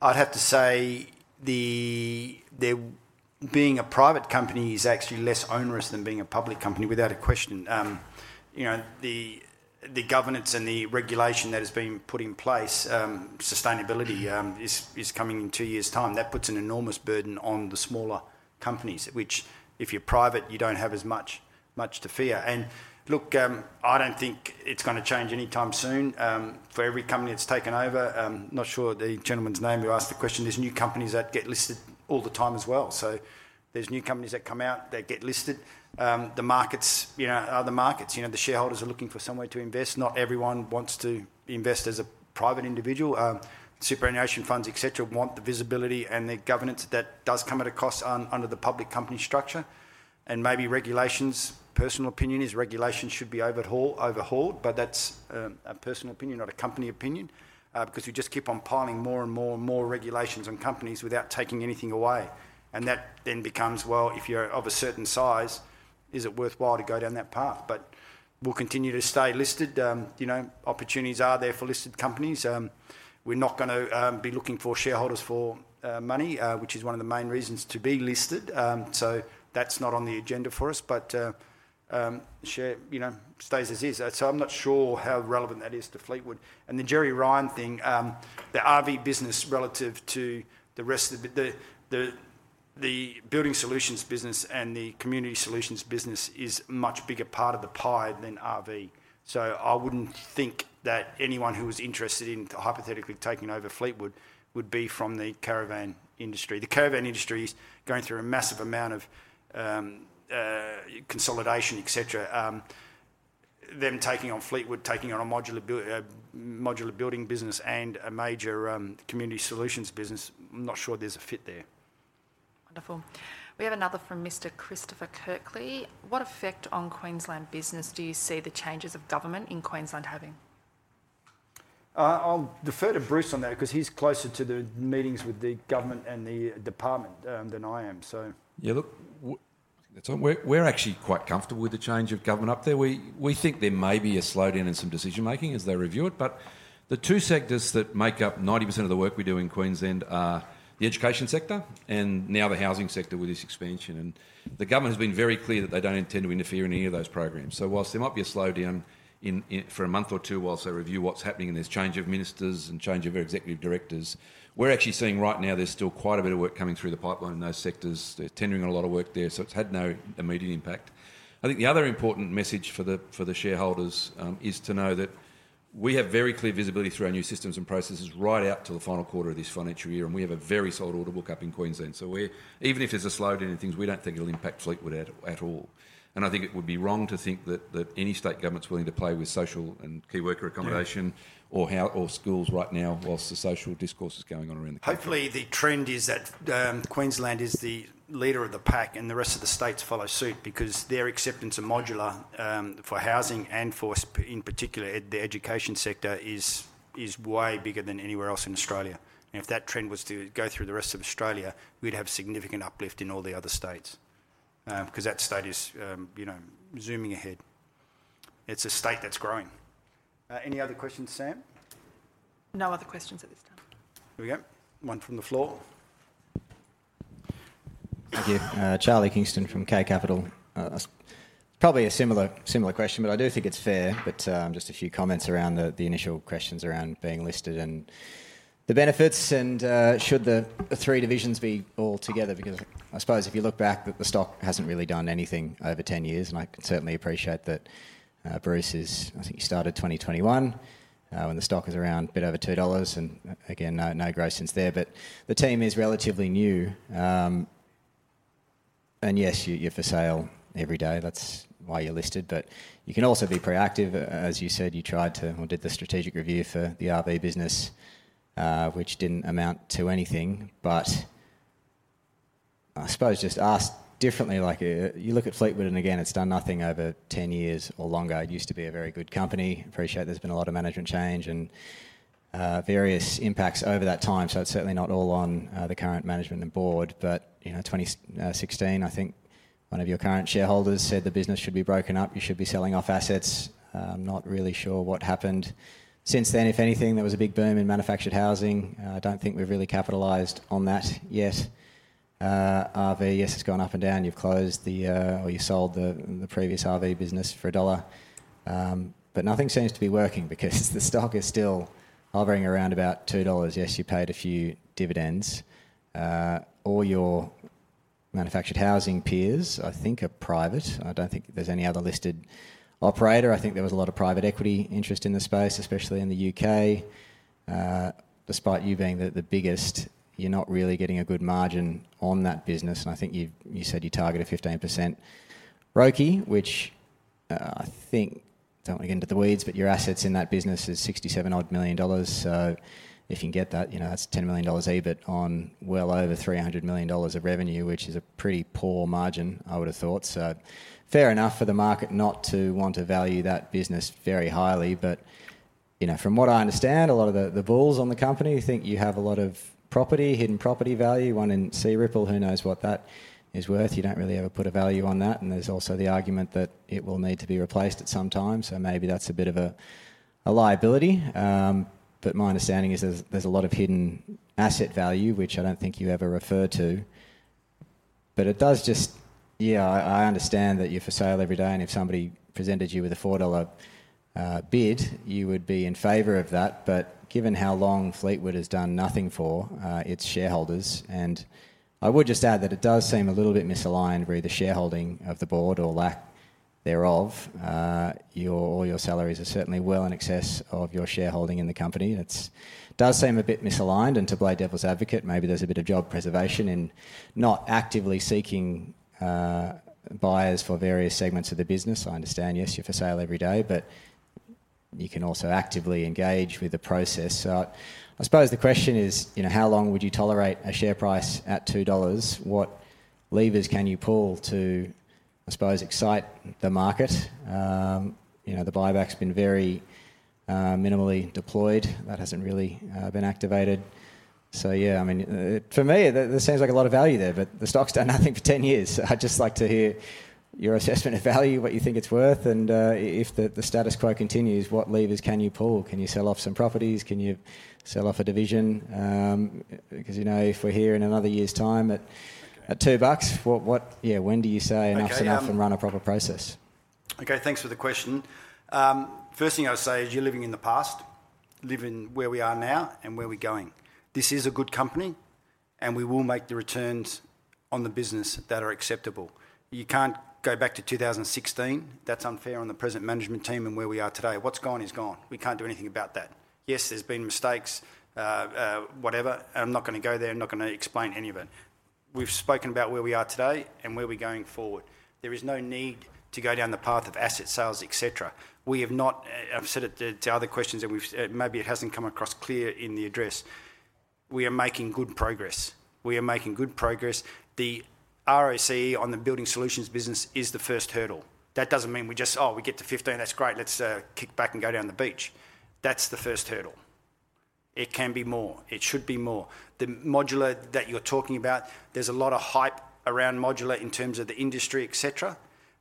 I'd have to say the being a private company is actually less onerous than being a public company without a question. You know, the governance and the regulation that has been put in place. Sustainability is coming in two years time. That puts an enormous burden on the smaller companies which if you're private, you don't have as much to fear. And look, I don't think it's going to change anytime soon. For every company that's taken over, not sure the gentleman's name who asked the question, there's new companies that get listed all the time as well. So there's new companies that come out that get listed. The markets, you know, are the markets, you know. The shareholders are looking for somewhere to invest. Not everyone wants to invest as a private individual. Superannuation funds, et cetera, want the visibility and the governance that does come at a cost under the public company structure and maybe regulations. Personal opinion is regulations should be overhauled, but that's a personal opinion, not a company opinion, because we just keep on piling more and more and more regulations on companies without taking anything away. And that then becomes, well, if you're of a certain size, is it worthwhile to go down that path, but we will continue to stay listed. You know, opportunities are there for listed companies. We're not going to be looking for shareholders for money, which is one of the main reasons to be listed. So that's not on the agenda for us. But share, you know, stays as is. So I'm not sure how relevant that is to Fleetwood and the Gerry Ryan thing. The RV business, relative to the rest of the Building Solutions business and the Community Solutions business, is much bigger part of the pie than RV. So I wouldn't think that anyone who was interested in hypothetically taking over Fleetwood would be from the caravan industry. The caravan industry is going through a massive amount of consolidation, et cetera. Them taking on Fleetwood, taking on a modular building business and a major Community Solutions business. I'm not sure there's a fit there. We have another from Mr. Christopher Kirkley. What effect on Queensland business do you see the changes of government in Queensland having? I'll defer to Bruce on that because he's closer to the meetings with the government and the department than I am. Yeah, look, we're actually quite comfortable with the change of government up there. We think there may be a slowdown in some decision making as they review it. But the two sectors that make up 90% of the work we do in Queensland are the education sector and now the housing sector. With this expansion. And the government has been very clear that they don't intend to interfere in any of those programs. So whilst there might be a slowdown for a month or two whilst they review what's happening and there's change of ministers and change of executive directors, we're actually seeing right now, there's still quite a bit of work coming through the pipeline in those sectors, they're tendering on a lot of work there. So it's had no immediate impact. I think the other important message for the shareholders is to know that we have very clear visibility through our new systems and processes right out to the final quarter of this financial year, and we have a very, very solid order book up in Queensland, so even if there's a slowdown in things, we don't think it'll impact Fleetwood at all, and I think it would be wrong to think that any state government's willing to play with social and key worker accommodation or schools right now while the social discourse is going on around the country. Hopefully the trend is that Queensland is the leader of the pack and the rest of the states follow suit because their acceptance of modular for housing and for instance in particular the education sector is way bigger than anywhere else in Australia. If that trend was to go through the rest of Australia, we'd have significant uplift in all the other states because that state is, you know, zooming ahead. It's a state that's growing. Any other questions, Sam? No other questions at this time. Here we go. One from the floor. Thank you. Probably a similar question, but I do think it's fair. But just a few comments around the initial questions around being listed and the benefits and should the three divisions be all together? Because I suppose if you look back that the stock hasn't really done anything over 10 years and I can certainly appreciate that Bruce is. I think he started 2021 when the stock is around a bit over $2 and again no growth since then. But the team is relatively new. And Yes, you're for sale every day. That's why you're listed. But you can also be proactive, as you said. You tried to or did the strategic review for the RV business, which didn't amount to anything. But I suppose, just asked differently, like you look at Fleetwood, and again it's done nothing over 10 years or longer. It used to be a very good company. I appreciate there's been a lot of management change and various impacts over that time. So it's certainly not all on the current management and board. But you know, 2016, I think one of your current shareholders said the business should be broken up. You should be selling off assets. I'm not really sure what happened since then. If anything, there was a big boom in manufactured housing. I don't think we've really capitalized on that yet. RV, yes, it's gone up and down. You've closed the or you sold the previous RV business for a dollar but nothing seems to be working because the stock is still hovering around about $2. Yes, you paid a few dividends. All your manufactured housing peers I think are private. I don't think there's any other listed operator. I think there was a lot of private equity interest in the space, especially in the UK despite you being the biggest, you're not really getting a good margin on that business. And I think you said you targeted 15% ROCE, which I think don't want to get into the weeds, but your assets in that business is 67 odd million dollars. So if you can get that, that's $10 million EBIT on well over $300 million of revenue, which is a pretty poor margin, I would have thought. So fair enough for the market not to want to value that business very highly. But from what I understand, a lot of the bulls on the company think you have a lot of property, hidden property value, one in Searipple, who knows what that is worth? You don't really ever put a value on that. And there's also the argument that it will need to be replaced at some time. So maybe that's a bit of a liability. But my understanding is there's a lot of hidden asset value, which I don't think you ever refer to, but it does just. Yeah, I understand that you're for sale every day, and if somebody presented you with an 4 dollar bid, you would be in favor of that. But given how long Fleetwood has done nothing for its shareholders, and I would just add that it does seem a little bit misaligned with the shareholding of the board, or lack thereof, or your salaries are certainly well in excess of your shareholding in the company. It does seem a bit misaligned. And to play devil's advocate, maybe there's a bit of job preservation in not actively seeking buyers for various segments of the business. I understand, yes, you're for sale every day, but you can also actively engage with the process. I suppose the question is, how long would you tolerate a share price at $2? What levers can you pull to, I suppose, excite the market? The buyback's been very minimally deployed that hasn't really been activated. So, yeah, I mean, for me, there seems like a lot of value there, but the stock's done nothing for 10 years. I'd just like to hear your assessment of value, what you think it's worth. And if the status quo continues, what levers can you pull? Can you sell off some properties? Can you sell off a division? Because, you know, if we're here in another year's time at two bucks, when do you say enough's enough and run a proper process? Okay, thanks for the question. First thing I would say is, you're living in the past, living where we are now and where we're going. This is a good company and we will make the returns on the business that are acceptable. You can't go back to 2016. That's unfair on the present management team and where we are today. What's gone is gone. We, we can't do anything about that. Yes, there's been mistakes, whatever. I'm not going to go there. I'm not going to explain any of it. We've spoken about where we are today and where we're going forward. There is no need to go down the path of asset sales, et cetera. We have not. I've said it to other questions and maybe it hasn't come across clear in the address. We are making good progress. We are making good progress. The ROCE on the Building Solutions business is the first hurdle. That doesn't mean we just, oh, we get to 15%, that's great, let's kick back and go down the beach. That's the first hurdle. It can be more, it should be more the modular that you're talking about. There's a lot of hype around modular in terms of the industry, etc.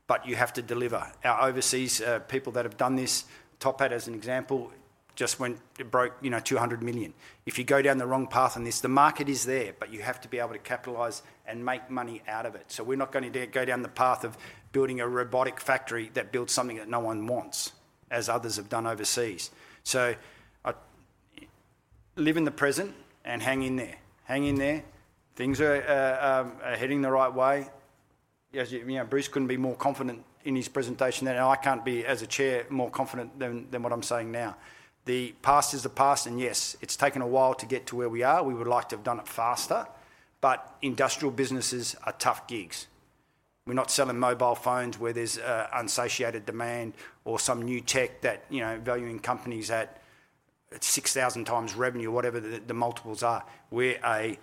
But you have to deliver. Our overseas people that have done this. TopHat, as an example, just went broke, you know, 200 million. If you go down the wrong path on this, the market is there, but you have to be able to capitalize and make money out of it. So we're not going to go down the path of building a robotic factory that builds something that no one wants, as others have done overseas. So live in the present and hang in there. Hang in there. Things are heading the right way. Bruce couldn't be more confident in his presentation and I can't be, as a chair, more confident than what I'm saying now. The past is the past and yes, it's taken a while to get to where we are. We would like to have done it faster, but industrial businesses are tough gigs. We're not selling mobile phones where there's insatiable demand or some new tech that, you know, valuing companies at 6,000 times revenue. Whatever the multiples are, we're a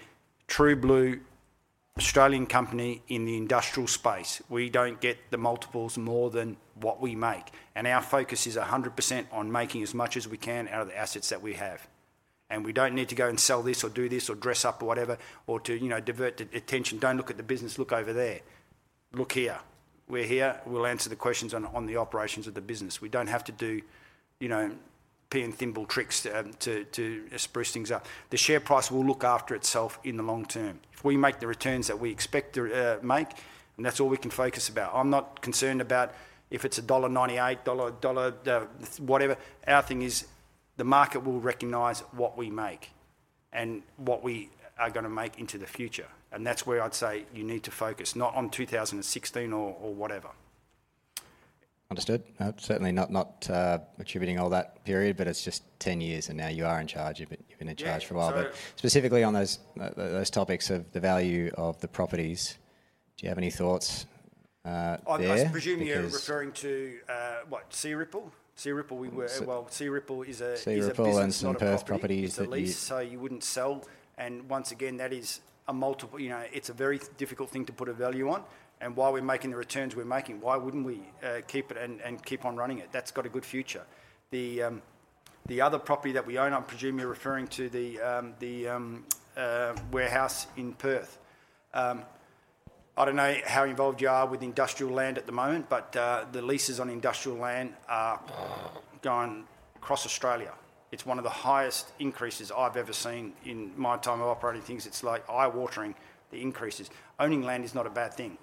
true blue Australian company in the industrial space. We don't get the multiples more than what we make. And our focus is 100% on making as much as we can out of the assets that we have. And we don't need to go and sell this or do this or dress up or whatever, or to, you know, divert attention. Don't look at the business. Look over there. Look here. We're here. We'll answer the questions on the operations of the business. We don't have to do, you know, pea and thimble tricks to spruce things up. The share price will look after itself in the long term if we make the returns that we expect to make. And that's all we can focus about. I'm not concerned about if it's a $0.9830. Whatever our thing is, the market will recognize what we make and what we are going to make into the future. And that's where I'd say you need to focus. Not on 2016 or whatever. Understood. Certainly not attributing all that period. But it's just 10 years. And now you are in charge. You've been in charge for a while. But specifically on those topics of the value of the properties, do you have any thoughts? I presume you're referring to what Searipple. We were. Searipple is a Perth properties. You wouldn't sell. And once again, that is a multiple. You know, it's a very difficult thing to put a value on. And while we're making the returns we're making, why wouldn't we keep it and keep on running it? That's got a good future. The other property that we own. I presume you're referring to the warehouse in Perth. I don't know how involved you are with industrial land at the moment, but the leases on industrial land are going across Australia. It's one of the highest increases I've ever seen in my time of operating things. It's like eye-watering, the increases. Owning land is not a bad thing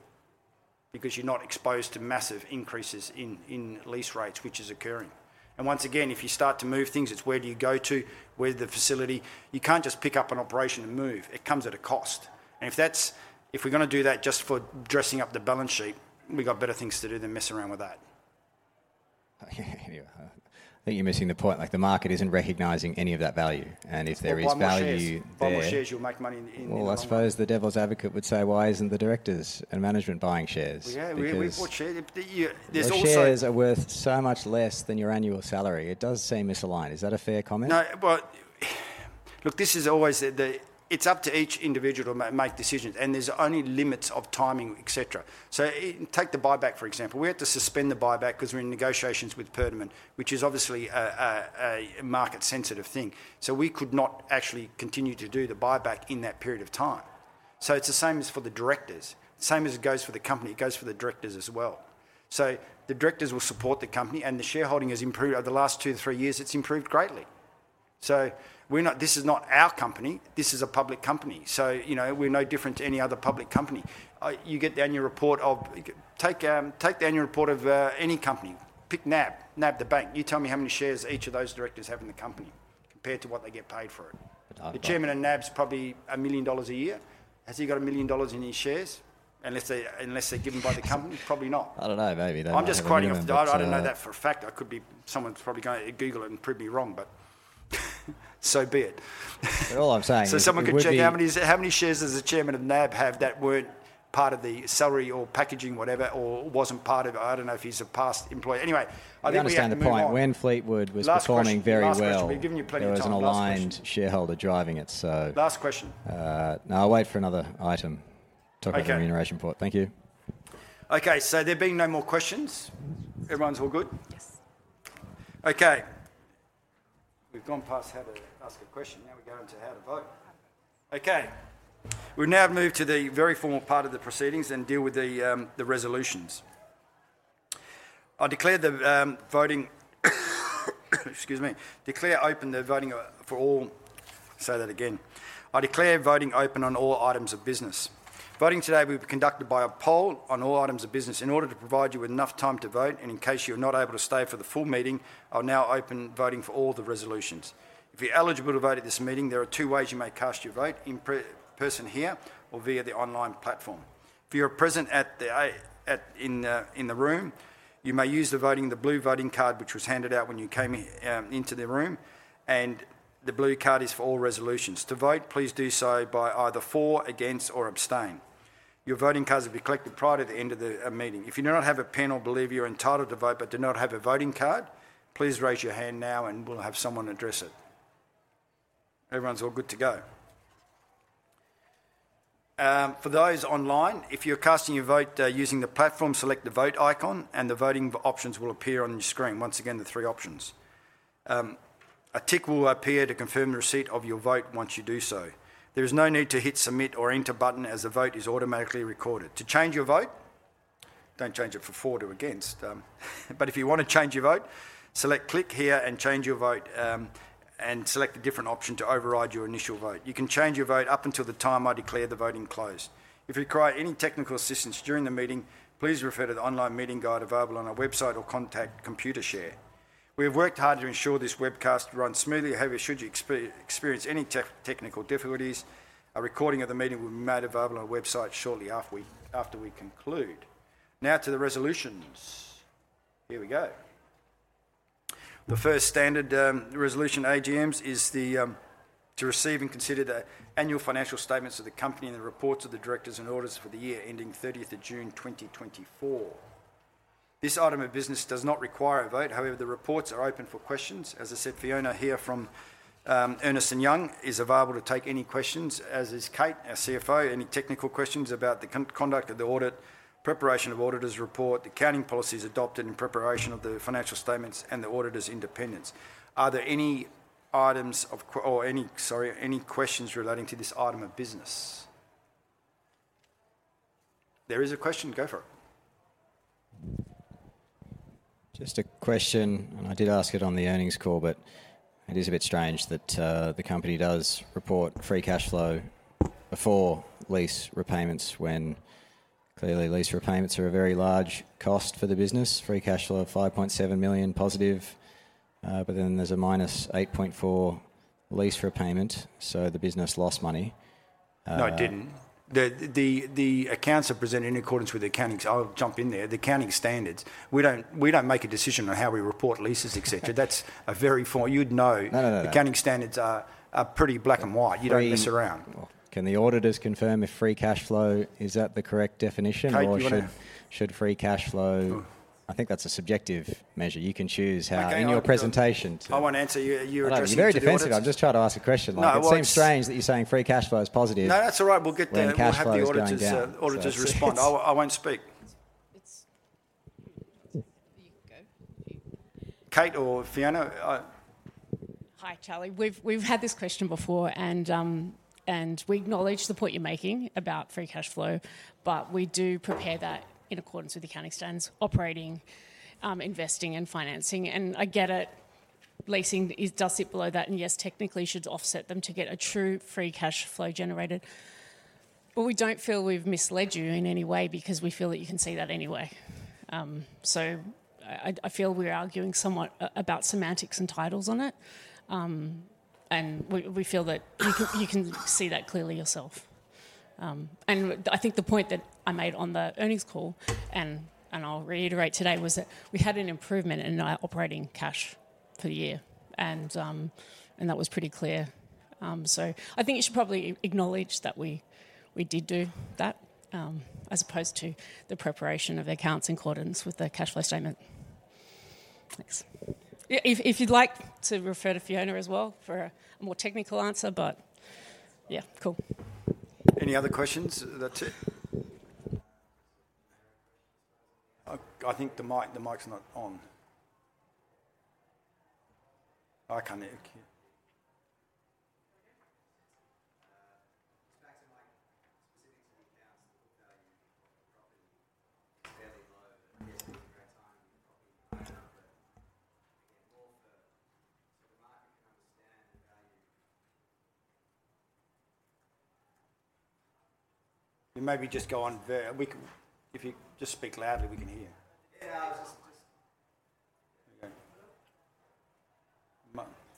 because you're not exposed to massive increases in lease rates which is occurring. And once again, if you start to move things, it's where do you go to where the facility. You can't just pick up an operation and move it. Comes at a cost. If we're going to do that just for dressing up the balance sheet, we've got better things to do than mess around with that. I think you're missing the point. Like the market isn't recognizing any of that value and if there is value, you'll make money. Well, I suppose the devil's advocate would say why isn't the directors and management buying shares are worth much less than your annual salary. It does seem misaligned. Is that a fair comment? Look, this is always. It's up to each individual to make decisions and there's only limits of timing et cetera. So take the buyback, for example. We had to suspend the buyback because we're in negotiations with Perdaman, which is obviously a market sensitive thing. So we could not actually continue to do the buyback in that period of time. So it's the same as for the directors. Same as it goes for the company. It goes for the directors as well. So the directors will support the company. And the shareholding has improved over the last two, three years? It's improved greatly. So we're not. This is not our company. This is a public company. So, you know, we're no different to any other public company. You get the annual report of. Take the annual report of any company. Pick NAB. NAB the bank. You tell me how many shares each of those directors have in the company compared to what they get paid for it. The chairman of NAB's probably 1 million dollars a year. Has he got 1 million dollars in his shares? Unless they're given by the company, probably not. I don't know. Maybe I'm just quoting off the dollar. I don't know that for a fact. I could be. Someone's probably going to Google it and prove me wrong, but so be it. All I'm saying, so someone could check. How many shares does the chairman of NAB have that weren't part of the salary or packaging, whatever, or wasn't part of? I don't know if he's a past employee. Anyway, I understand the point when Fleetwood was performing very well. Shareholder driving it. So, last question now. I'll wait for another item. Remuneration report. Thank you. Okay, so there being no more questions. Everyone's all good? Yes. Okay, we've gone past how to ask a question. Now we go into how to vote. Okay. We've now moved to the very formal part of the proceedings and deal with the resolutions. I declare voting open on all items of business. Voting today will be conducted by a poll on all items of business. In order to provide you with enough time to vote and in case you're not able to stay for the full meeting, I'll now open voting for all the resolutions. If you're eligible to vote at this meeting, there are two ways you may cast your vote. In person, here or via the online platform. If you're present at the AGM in the room, you may use the voting card. The blue voting card, which was handed out when you came into the room. The blue card is for all resolutions to vote. Please do so by either for, against, or abstain. Your voting cards will be collected prior to the end of the meeting. If you do not have a pen or believe you're entitled to vote but do not have a voting card, please raise your hand now and we'll have someone address it. Everyone's all good to go. For those online, if you're casting your vote using the platform, select the vote icon and the voting options will appear on your screen. Once again, the three options, a tick will appear to confirm the receipt of your vote. Once you do so, there is no need to hit Submit or Enter button as the vote is automatically recorded. To change your vote, don't change it from for to against, but if you want to change your vote, select Click here and change your vote and select a different option to override your initial vote. You can change your vote up until the time I declare the voting closed. If you require any technical assistance during the meeting, please refer to the online meeting guide available on our website or contact Computershare. We have worked hard to ensure this webcast runs smoothly. However, should you experience any technical difficulties, a recording of the meeting will be made available on our website shortly after we conclude. Now to the resolutions. Here we go. The first standard resolution at this AGM is to receive and consider the annual financial statements of the company and the reports of the directors and auditors for the year ending 30th of June 2024. This item of business does not require a vote. However, the reports are open for questions. As I said, Fiona here from Ernst & Young is available to take any questions, as is Kate, our CFO. Any technical questions about the company, conduct of the audit, preparation of auditor's report, accounting policies adopted in preparation of the financial statements, and the auditor's independence. Are there any, sorry, any questions relating to this item of business? There is a question. Go for it. Just a question, and I did ask it on the earnings call, but it is a bit strange that the company does report free cash flow before lease repayments when clearly lease repayments are a very large cost for the business. Free cash flow of 5.7 million? Positive. But then there's a minus 8.4 lease repayment. So the business lost money. No, it didn't. The accounts are presented in accordance with the accounting. I'll jump in there. The accounting standards. We don't make a decision on how we report leases, et cetera. That's a very. You'd know. Accounting standards are pretty black and white. You don't mess around. Can the auditors confirm if free cash flow is at the correct definition? Should free cash flow. I think that's a subjective measure. You can choose how in your presentation. I won't answer your address. You're very defensive. I'm just trying to ask a question. It seems strange that you're saying free cash flow is positive. No, that's all right. We'll get there and have the auditors respond. I won't speak. You go. Kate or Fiona. Hi, Charlie. We've had this question before and we acknowledge the point you're making about free cash flow. But we do prepare that in accordance with accounting standards operating, investing and financing. And I get it, leasing does sit below that and yes, technically should offset them to get a true free cash flow generated. But we don't feel we've misled you in any way because we feel that you can see that anyway. So I feel we're arguing somewhat about semantics and titles on it, and we feel that you can see that clearly yourself. And I think the point that I made on the earnings call, and I'll reiterate today, was that we had an improvement in our operating cash flow for the year, and that was pretty clear. So I think you should probably acknowledge that we did do that. As opposed to the preparation of accounts in accordance with the cash flow statement. Thanks. If you'd like to refer to Fiona as well for a more technical answer. But yeah. Cool. Any other questions? That's it. I think the mic's not on. Maybe just go on. If you just speak loudly, we can hear.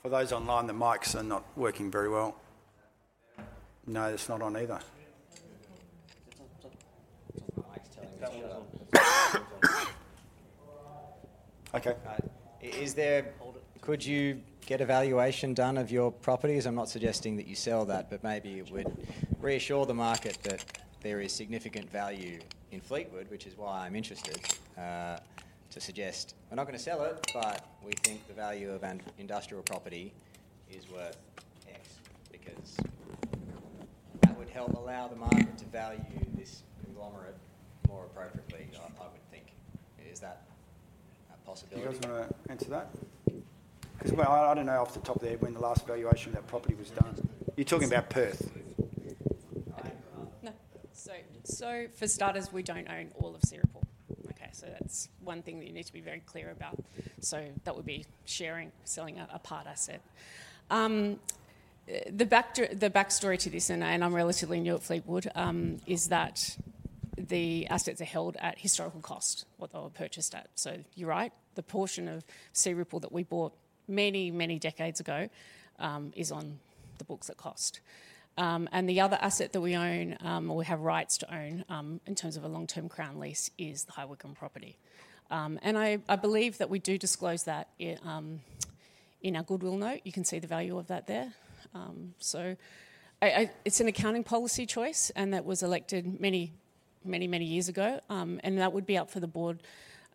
For those online, the mics are not working very well. No, it's not on either. Okay. Could you get a valuation done of your properties? I'm not suggesting that you sell that, but maybe it would reassure the market that there is significant value in Fleetwood, which is why I'm interested to suggest we're not going to sell it, but we think the value of industrial property is worth X. Because that would help allow the market to value this conglomerate more appropriately, I would think. Is that a possibility? You guys want to answer that? Well, I don't know. Off the top there, when the last valuation of that property was done, you're talking about Perth So, for starters, we don't own all of Searipple. Okay. So that's one thing that you need to be very clear about. So that would be sharing, selling a part asset. The backstory to this, and I'm relatively new at Fleetwood, is that the assets are held at historical cost, what they were purchased at. So you're right. The portion of Searipple that we bought many, many decades ago is on the books. That cost. And the other asset that we own or we have rights to own in terms of a long term crown lease is the High Wycombe property. And I believe that we do disclose that in our goodwill note. You can see the value of that there. So it's an accounting policy choice and that was elected many, many, many years ago. That would be up for the board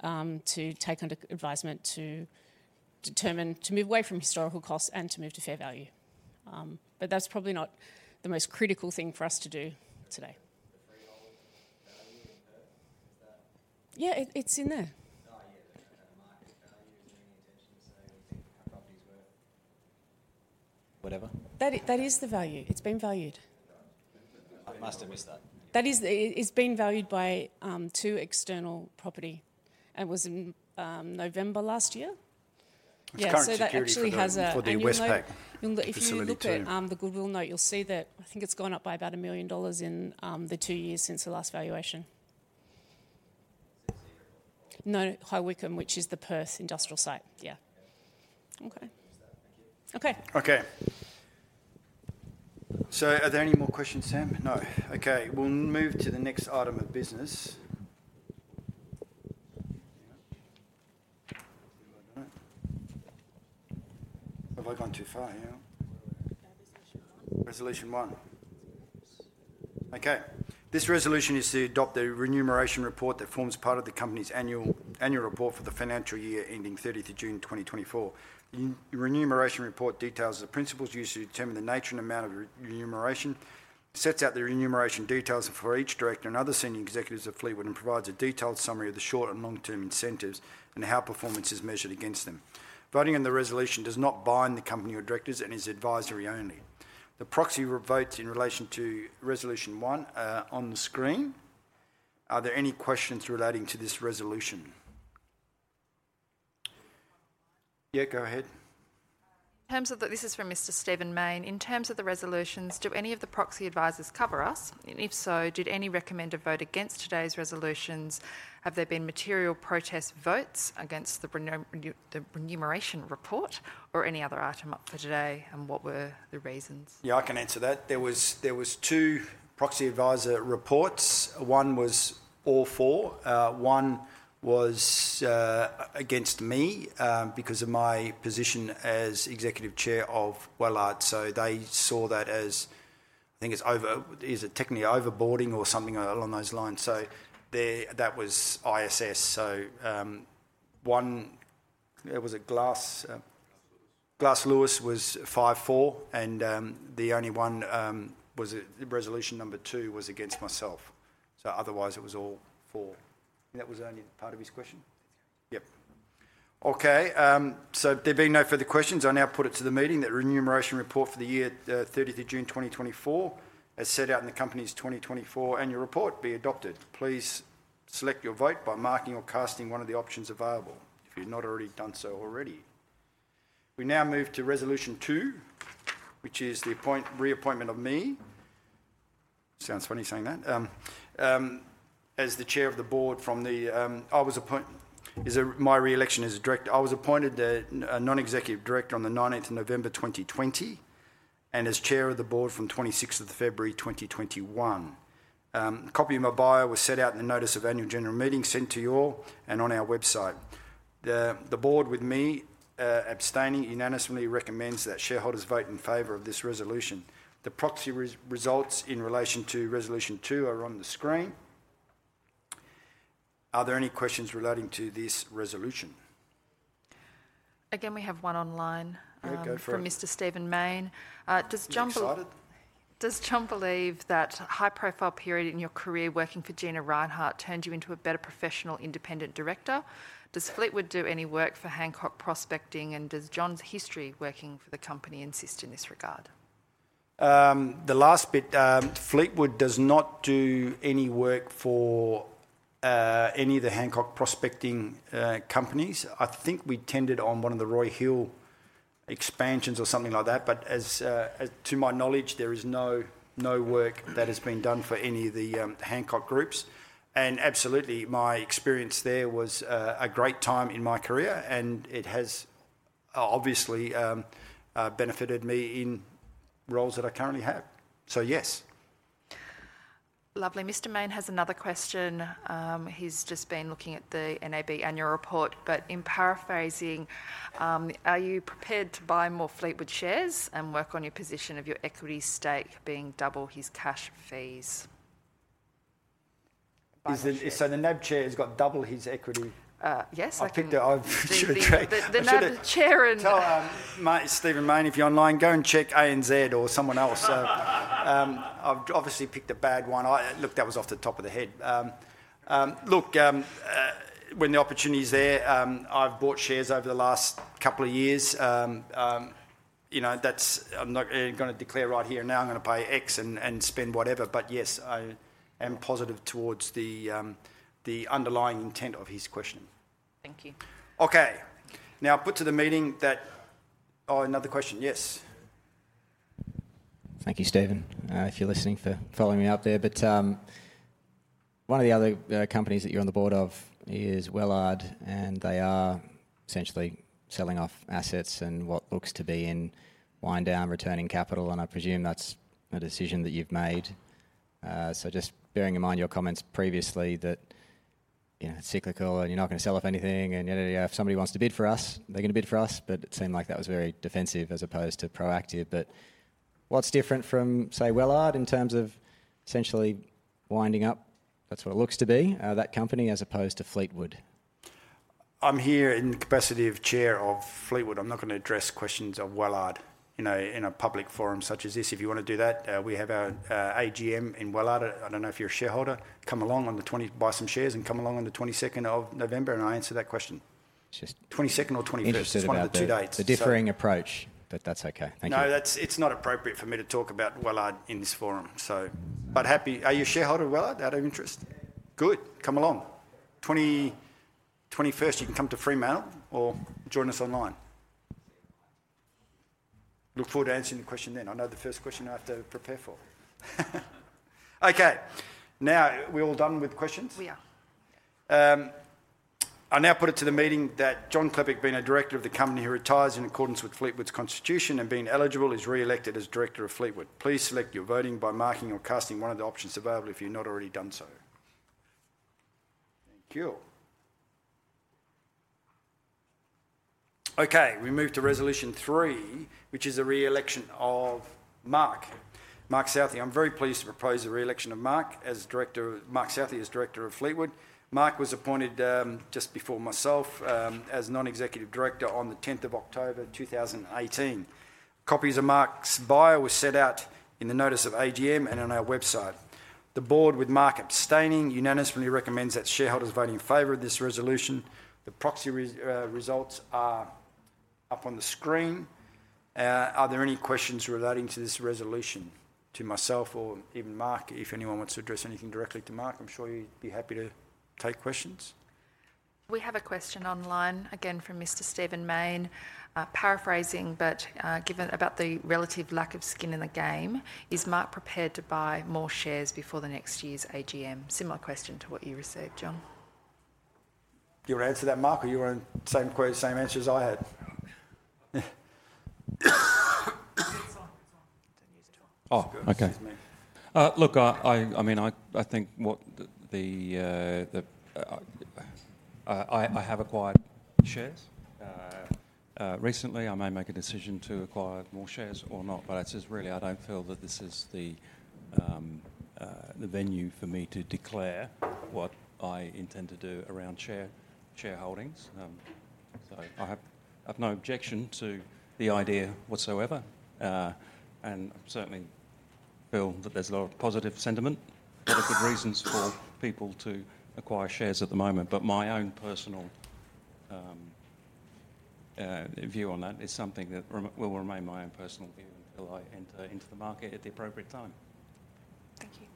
to take under advisement to determine to move away from historical costs and to move to fair value. But that's probably not the most critical thing for us to do today. Yeah, it's in there. That is the value. It's been valued. I must have missed that. It's been valued by two external properties. Property it was in November last year. The goodwill note, you'll see that I think it's gone up by about $1 million in the two years since the last valuation. No, High Wycombe, which is the Perth industrial site. Yeah. Okay. Okay, okay. So are there any more questions, Sam? No. Okay, we'll move to the next item of business. Have I gone too far here? Resolution one. Okay. This resolution is to adopt a remuneration report that forms part of the company's annual report for the financial year ending 30 June 2024. Remuneration report details the principles used to determine the nature and amount of remuneration, sets out the remuneration details for each director and other senior executives of Fleetwood and provides a detailed summary of the short and long term incentives and how performance is measured against them. Voting on the resolution does not bind the company or directors and is advisory. Only the proxy votes. In relation to resolution one on the screen, are there any questions relating to this resolution? Yeah, go ahead. This is from Mr. Stephen Mayne. In terms of the resolutions, do any of the proxy advisers cover us? If so, did any recommended vote against today's resolutions? Have there been material protest votes against the remuneration report or any other item up for today? And what were the reasons? Yeah, I can answer that. There were two proxy adviser reports. One was all four. One was against me because of my position as executive chair of Wellard. So they saw that as I think it's over. Is it technically overboarding or something along those lines? So there. That was ISS. So one. Was it Glass? Glass Lewis was for four. And the only one was resolution number two was against myself. So otherwise it was all four. That was only part of his question. Yep. Okay. So there being no further questions. I now put it to the meeting that remuneration report for the year 30 June 2024 as set out in the Company's 2024 Annual Report be adopted. Please select your vote by marking or casting one of the options available if you've not already done so. We now move to Resolution 2 which is the reappointment of me. Sounds funny saying that as the Chair of the Board from the I was appointed my re-election as director. I was appointed non-executive director on 19th November 2020 and as Chair of the Board from 26th of February 2021. A copy of my bio was set out in the Notice of Annual General Meeting sent to you all and on our website. The Board with me abstaining unanimously recommends that shareholders vote in favor of this resolution. The proxy results in relation to Resolution 2 are on the screen. Are there any questions relating to this resolution? Again we have one online from Mr. Stephen Mayne. Does John believe that high profile period in your career working for Gina Rinehart turned you into a better professional independent director? Does Fleetwood do any work for Hancock Prospecting and does John's history working for the company assist in this regard? The last bit. Fleetwood does not do any work for any of the Hancock Prospecting companies. I think we tendered on one of the Roy Hill expansions or something like that. But as to my knowledge there is no work that has been done for any of the Hancock groups and absolutely my experience there was a great time in my career and it has obviously benefited me in roles that I currently have. So yes. Lovely, Mr. Mayne has another question. He's just been looking at the NAB annual report but in paraphrasing are you prepared to buy more Fleetwood shares and work on your position of your equity stake being double his cash fees? So the NAB chair has got double his equity. Yes, I picked it. I should have tracked Stephen Mayne. If you're online, go and check ANZ or someone else. I've obviously picked a bad one. Look, that was off the top of the head. Look, when the opportunity's there. I've bought shares over the last couple of years. You know, that's – I'm not going to declare right here now I'm going to pay X and spend whatever. But yes, I'm positive towards the underlying intent of his question. Thank you. Okay, now put to the meeting that. Oh, another question. Yes. Thank you. Stephen, if you're listening for following me up there, but one of the other companies that you're on the board of is Wellard, and they are essentially selling off assets and what looks to be in wind down returning capital, and I presume that's a decision that you've made. So just bearing in mind your comments previously that you know it's cyclical and you're not going to sell off anything and yada. Yeah, if somebody wants to bid for us, they're going to bid for us. But it seemed like that was very defensive as opposed to proactive. But what's different from say Wellard in terms of essentially winding up? That's what it looks to be that company as opposed to Fleetwood. I'm here in capacity of chair of Fleetwood. I'm not going to address questions of Wellard, you know in a public forum such as this. If you want to do that we have our AGM in Wellard. I don't know if you're a shareholder, come along on the 20, buy some shares and come along on the 22nd of November and I answer that question 22nd or 21st. The differing approach, but that's okay. No, that's it. It's not appropriate for me to talk about Wellard in this forum, so. But happy—are you a shareholder? Well, out of interest. Good. Come along 2020. First you can come to Fremantle or join us online. Look forward to answering the question then. I know the first question I have to prepare for. Okay, now we're all done with questions. We are. I now put it to the meeting that John Klepec being a director of the company who retires in accordance with Fleetwood's constitution and being eligible is re-elected as director of Fleetwood. Please select your voting by marking or casting one of the options available if you've not already done so. Thank you. Okay, we move to resolution 3 which is the re-election of Mark Southey. I'm very pleased to propose the re-election of Mark as director. Mark Southey as director of Fleetwood. Mark was appointed just before myself as non-executive director on 10 October 2018. Copies of Mark's bio was set out in the notice of AGM and on our website. The board with Mark abstaining unanimously recommends that shareholders vote in favor of this resolution. The proxy results are up on the screen. Are there any questions relating to this resolution to myself or even Mark? If anyone wants to address anything directly to Mark, I'm sure you'd be happy to take questions. We have a question online again from Mr. Stephen Mayne. Paraphrasing but given about the relative lack of skin in the game, is Mark prepared to buy more shares before the next year's AGM. Similar question to what you received, John. Do you want to answer that, Mark, or you want same answer as I had? Look, I mean, I have acquired shares recently. I may make a decision to acquire more shares or not. Really, I don't feel that this is the venue for me to declare what I intend to do around shareholdings. I have no objection to the idea whatsoever and certainly feel that there's a lot of positive sentiment. What are good reasons for people to come acquire shares at the moment? My own personal view on that is something that will remain my own personal view until I enter into the market at the appropriate time. Thank you.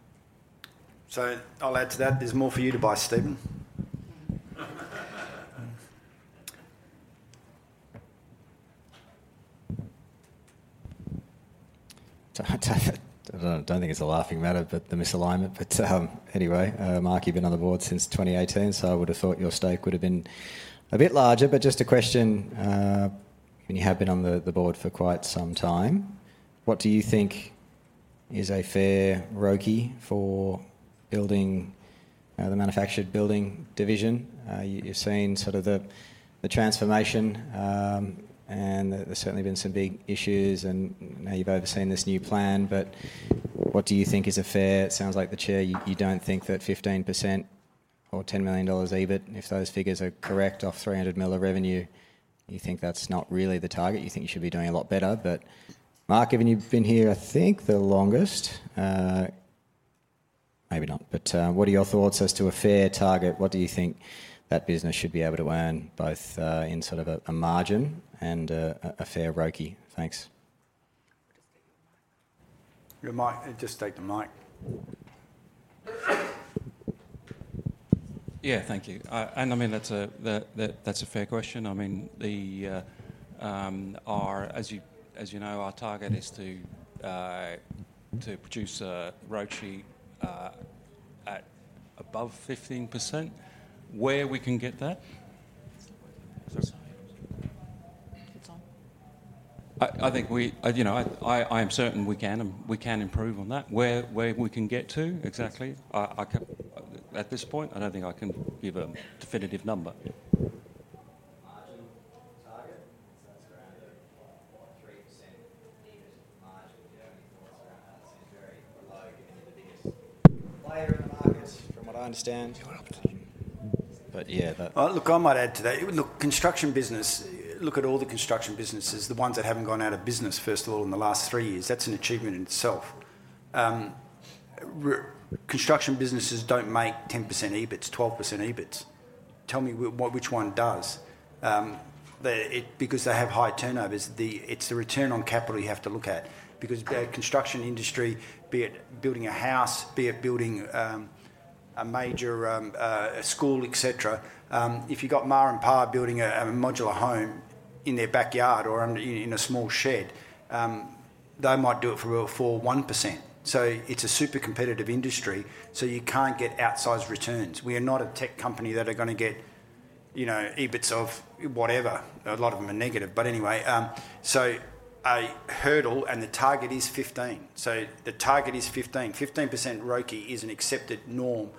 So I'll add to that. There's more for you to buy, Stephen. I don't think it's a laughing matter, but the misalignment. But anyway, Mark, you've been on the board since 2018, so I would have thought your stake would have been a bit larger. But just a question. You have been on the board for quite some time. What do you think is a fair ROI for building the manufactured building division? You've seen sort of the transformation and there's certainly been some big issues and now you've overseen this new plan. But what do you think is a fair ROI? It sounds like the Chair. You don't think that 15% or 10 million dollars EBIT, if those figures are correct, off 300 million of revenue, you think that's not really the target? You think you should be doing a lot better. But Mark, given you've been here I think the longest, maybe not. But what are your thoughts as to a fair target? What do you think that business should be able to earn both in sort of a margin and a fair ROCE? Thanks. Your mic. Just take the mic. Yeah, thank you. And I mean, that's a fair question. I mean, as you know, our target is to produce a ROCE at above 15%. Where we can get that? I think we, you know, I am certain we can. We can improve on that. Where we can get to exactly at this point, I don't think I can give a definitive number. From what I understand. But yeah, look, I might add to that. Look, construction business. Look at all the construction businesses, the ones that haven't gone out of business, first of all, in the last three years. That's an achievement in itself. Construction businesses don't make 10% EBITs, 12% EBITs. Tell me which one does because they have high turnovers. It's the return on capital you have to look at because the construction industry, be it building a house, be it building a major school, etc. If you've got Ma and Pa building a modular home in their backyard or in a small shed, they might do it for 1%. So it's a super competitive industry, so you can't get outsized returns. We are not a tech company that are going to get EBITs of whatever. A lot of them are negative. But anyway, so a hurdle and the target is 15%. So the target is 15%. 15% ROCE is an accepted norm.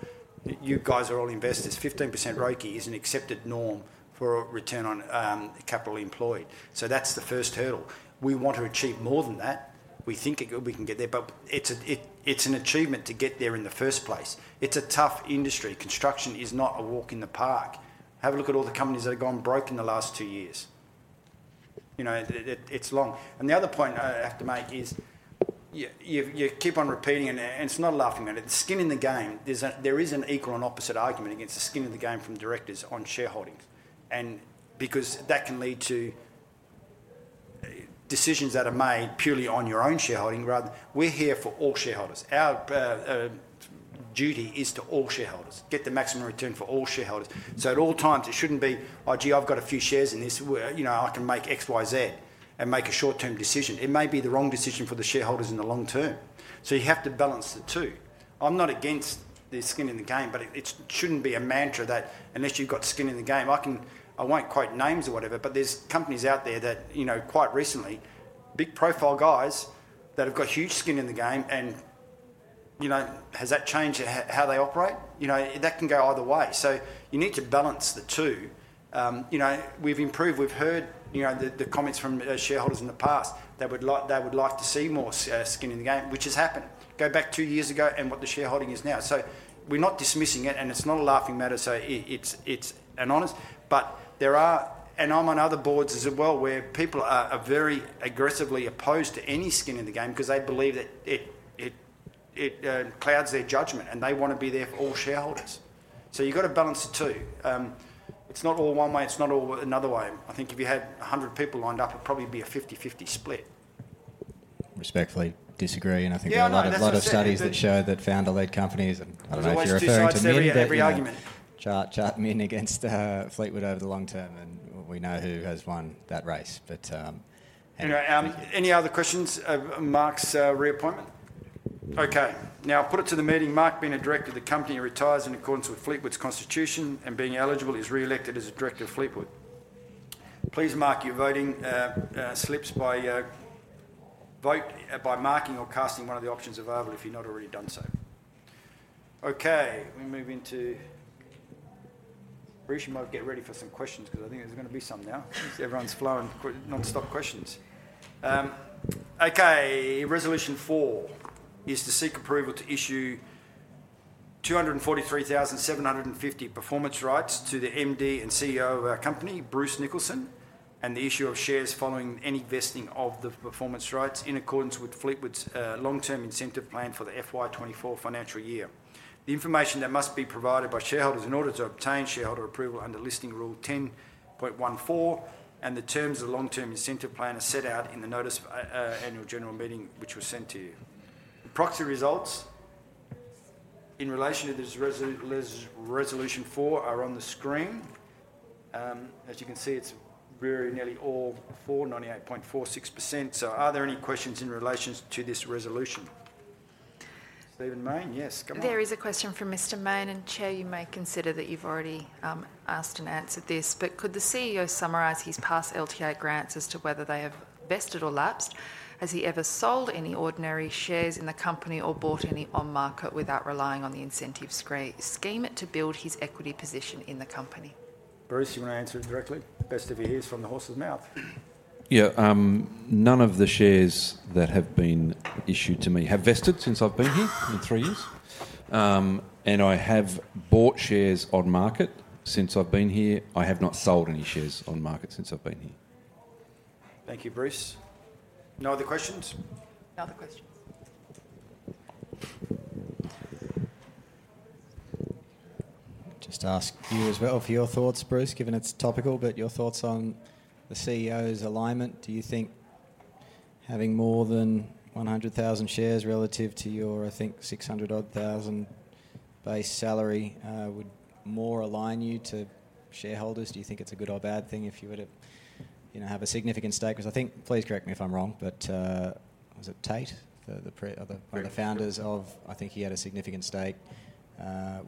You guys are all investors. 15% ROCE is an accepted norm for return on capital employed. So that's the first hurdle we want to achieve more than that, we think we can get there, but it's an achievement to get there in the first place. It's a tough industry. Construction is not a walk in the park. Have a look at all the companies that have gone broke in the last two years. You know, it's long. And the other point I have to make is you keep on repeating and it's not a laughing matter. The skin in the game. There is an equal and opposite argument against the skin in the game from directors on shareholdings because that can lead to decisions that are made purely on your own shareholding. Rather, we're here for all shareholders. Our duty is to all shareholders get the maximum return for all shareholders. So at all times it shouldn't be, oh gee, I've got a few shares in this, I can make XYZ and make a short term decision. It may be the wrong decision for the shareholders in the long term. So you have to balance the two. I'm not against the skin in the game, but it shouldn't be a mantra that unless you've got skin in the game. I won't quote names or whatever, but there's companies out there that quite recently, big profile guys that have got huge skin in the game and you know, has that changed how they operate? You know, that can go either way. So you need to balance the two. You know, we've improved, we've heard, you know, the comments from shareholders in the past. They would like to see more skin in the game, which has happened. Go back two years ago and what the shareholding is now. So we're not dismissing it and it's not a laughing matter. So it's, it's an honest. But there are, and I'm on other boards as well where people are very aggressively opposed to any skin in the game. Because they believe that it clouds their judgment and they want to be there for all shareholders. So you've got to balance the two. It's not all one way, it's not all another way. I think if you had 100 people lined up it'd probably be a 50-50 split. Respectfully disagree. And I think there are a lot of studies that show that founder-led companies. I don't know if you're aware, there's two sides to every argument. Compare Jayco against Fleetwood over the long term and we know who has won that race. But anyway, any other questions? Mark's reappointment. Okay, now put it to the meeting. Mark, being a director, the company retires in accordance with Fleetwood's constitution and, being eligible, is re-elected as a director of Fleetwood. Please mark your voting slips by voting by marking or casting one of the options available if you're not already done. So okay, we move into. Bruce you might get ready for some questions because I think there's going to be some now everyone's flowing non-stop questions. Okay. Resolution four is to seek approval to issue 243,750 performance rights to the MD and CEO of our company, Bruce Nicholson, and the issue of shares following any vesting of the performance rights in accordance with Fleetwood's long term incentive plan for the FY24 financial year. The information that must be provided by shareholders in order to obtain shareholder approval under Listing Rule 10.14 and the terms of long term incentive plan are set out in the annual general meeting which was sent to you. Proxy results in relation to this resolution four are on the screen. As you can see it's very nearly all 98.46%. So are there any questions in relation to this resolution? Stephen Mayne yes, there is a question. From Mr. Mayne and Chair. You may consider that you've already asked and answered this but could the CEO summarize his past LTI grants as to whether they have vested or lapsed? Has he ever sold any ordinary shares in the company or bought any on market without relying on the incentive scheme it to build his equity position in the company? Bruce, you want to answer it directly? Best to hear from the horse's mouth. Yeah. None of the shares that have been issued to me have vested since I've been here in three years and I have bought shares on market since I've been here. I have not sold any shares on market since I've been here. Thank you Bruce. No other questions. Other questions. Just ask you as well for your thoughts, Bruce. Given it's topical, but your thoughts on the CEO's alignment. Do you think having more than 100,000 shares relative to your—I think—AUD 600-odd thousand base salary would more align you to shareholders? Do you think it's a good or bad thing if you were to, you know, have a significant stake? Because I think, please correct me if I'm wrong, but was it Tate, one of the founders of? I think he had a significant stake,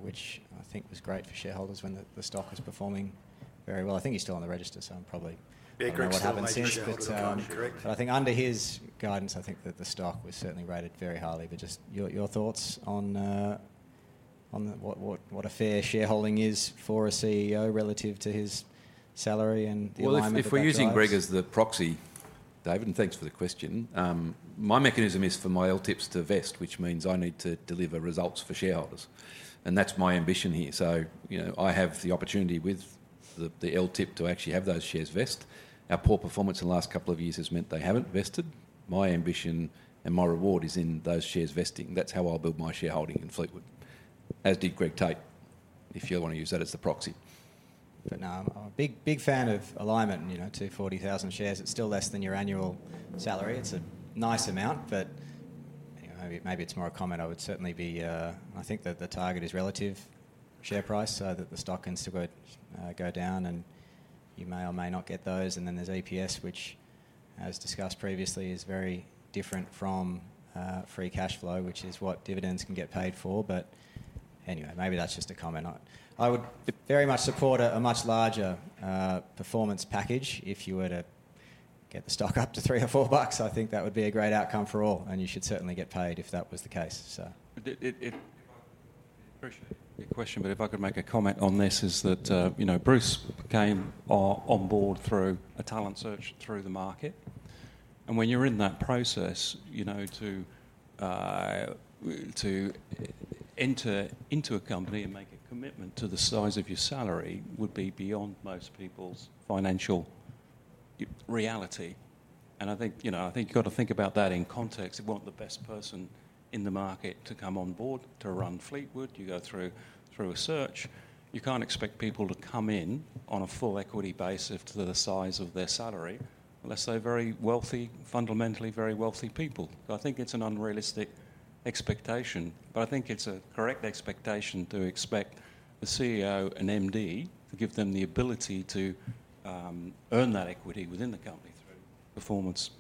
which I think was great for shareholders when the stock was performing very well. I think he's still on the register, so I'm probably correct, but I think under his guidance, I think that the stock was certainly rated very highly, but just your thoughts on. What a Fair shareholding is for a CEO relative to his salary and the. If we're using Greg as the proxy. David, and thanks for the question. My mechanism is for my LTIPs to vest, which means I need to deliver results for shareholders and that's my ambition here. So you know, I have the opportunity with the LTIP to actually have those shares vest. Our poor performance in the last couple of years has meant they haven't vested. My ambition and my reward is in those shares vesting. That's how I'll build my shareholding in Fleetwood, as did Greg Tate, if you want to use that as the proxy. But no, I'm a big, big fan of alignment. You know, two 40,000 shares, it's still less than your annual salary. It's a nice amount, but maybe it's more a comment. I would certainly be. I think that the target is relative share price so that the stock can still go down and you may or may not get those. And then there's EPS which as discussed previously is very different from free cash flow, which is what dividends can get paid for. But anyway, maybe that's just a comment. I would very much support a much larger performance package if you were to get the stock up to three or four bucks. I think that would be a great outcome for all and you should certainly get paid if that was the case. But if I could make a comment on this, it is that Bruce came on board through a talent search through the market. And when you're in that process, you know, to enter into a company and make a commitment to the size of your salary would be beyond most people's financial reality. And I think, you know, I think you got to think about that in context. You want the best person in the market to come on board to run Fleetwood. You go through a search. You can't expect people to come in on a full equity basis to the size of their salary unless they're very wealthy, fundamentally very wealthy people. I think it's an unrealistic expectation, but I think it's a correct expectation to expect the CEO, an MD to give them the ability to earn that equity within the company through performance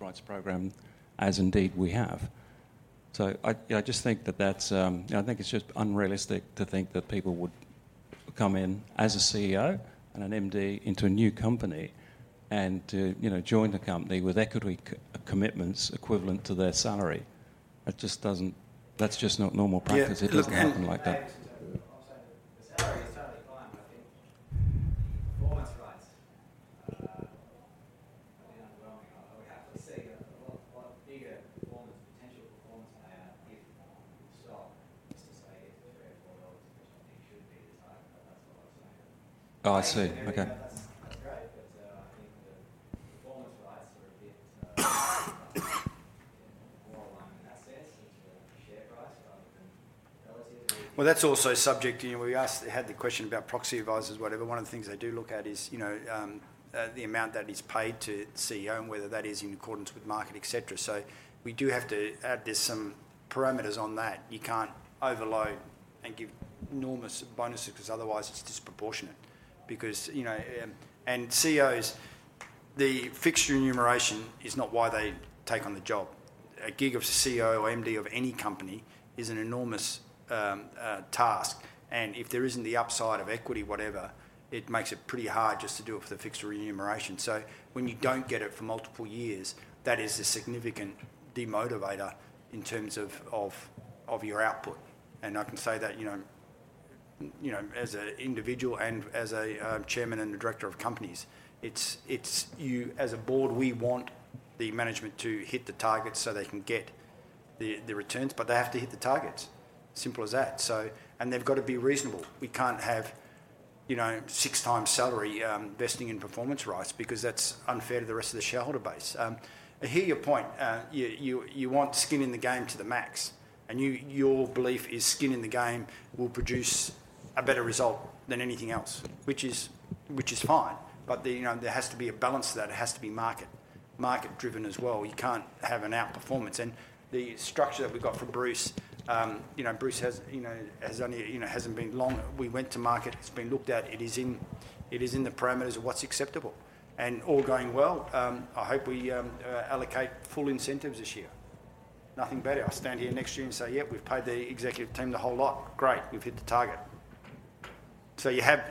rights program, as indeed we have. So I just think that that's, I think it's just unrealistic to think that people would come in as a CEO and an MD into a new company and join the company with equity commitments equivalent to their salary. That's just not normal practice. It doesn't happen like that. We have to see a lot bigger performance potential payout. If stock is to stay. Oh, I see, okay. Well, that's also subject. We had the question about proxy advisors. One of the things they do look at is the amount that is paid to CEO and whether that is in accordance with market, et cetera. So we do have to add there's some parameters on that. You can't overload and give enormous bonuses because otherwise it's disproportionate because and CEOs the fixed remuneration is not why they take on the job. A gig of CEO or MD of any company is an enormous task. And if there isn't the upside of equity, whatever, it makes it pretty hard just to do it for the fixed remuneration. So when you don't get it for multiple years, that is a significant demotivator in terms of your output. And I can say that, you know, as an individual and as a chairman and the director of companies, it's you as a board. We want the management to hit the targets so they can get the returns. But they have to hit the targets, simple as that. And they've got to be reasonable. We can't have six times salary investing in performance rights because that's unfair to the rest of the shareholder base. I hear your point. You want skin in the game to the max and your belief is skin in the game will produce a better result than anything else, which is fine. But there has to be a balance to that. It has to be market, market driven as well. You can't have an outperformance. And the structure that we've got for Bruce, you know, Bruce, you know, has only, you know, hasn't been long we went to market. It's been looked at. It is in the parameters of what's acceptable, and all going well. I hope we allocate full incentives this year. Nothing better. I stand here next year and say, yep, we've paid the executive team the whole lot. Great. We've hit the target. So you have.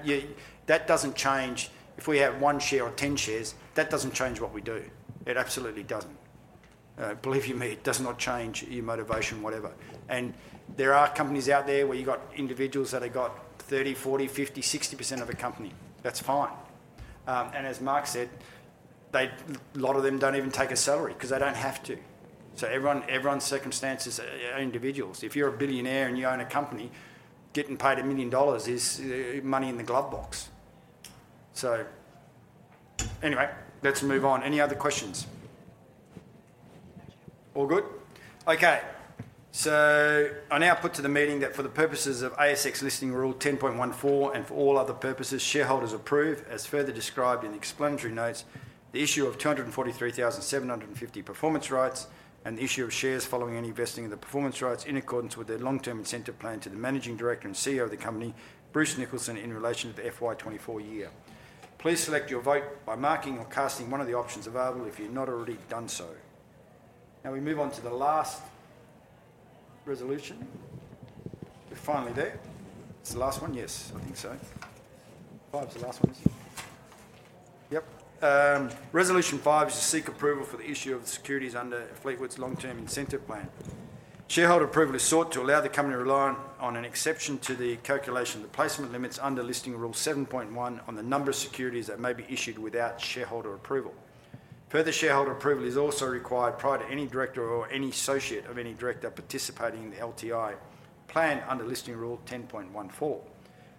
That doesn't change if we have one share or 10 shares. That doesn't change what we do. It absolutely doesn't. Believe you me, it does not change your motivation, whatever. And there are companies out there where you got individuals that have got 30%, 40%, 50%, 60% of a company. That's fine. And as Mark said, a lot of them don't even take a salary because they don't have to. So everyone's circumstances individual. If you're a billionaire and you own a company, getting paid a million dollars is money in the glove box. So anyway, let's move on. Any other questions? All good. Okay. So I now put to the meeting that for the purposes of ASX Listing Rule 10.14 and for all other purposes, shareholders approve, as further described in explanatory notes, the issue of 243,600,750 performance rights and the issue of shares following any vesting of the performance rights in accordance with their long term incentive plan to the Managing Director and CEO of the company, Bruce Nicholson, in relation to the FY24 year. Please select your vote by marking or casting one of the options available if you've not already done so. Now we move on to the last resolution. We're finally there. It's the last one. Yes, I think so. 5 is the last one. Yep. Resolution 5 is to seek approval for the issue of securities under Fleetwood's Long Term Incentive Plan. Shareholder approval is sought to allow the company to rely on an exception to the calculation of the placement limits under Listing Rule 7.1 on the number of securities that may be issued without shareholder approval. Further shareholder approval is also required prior to any director or any associate of any director participating in the LTI plan under Listing Rule 10.14.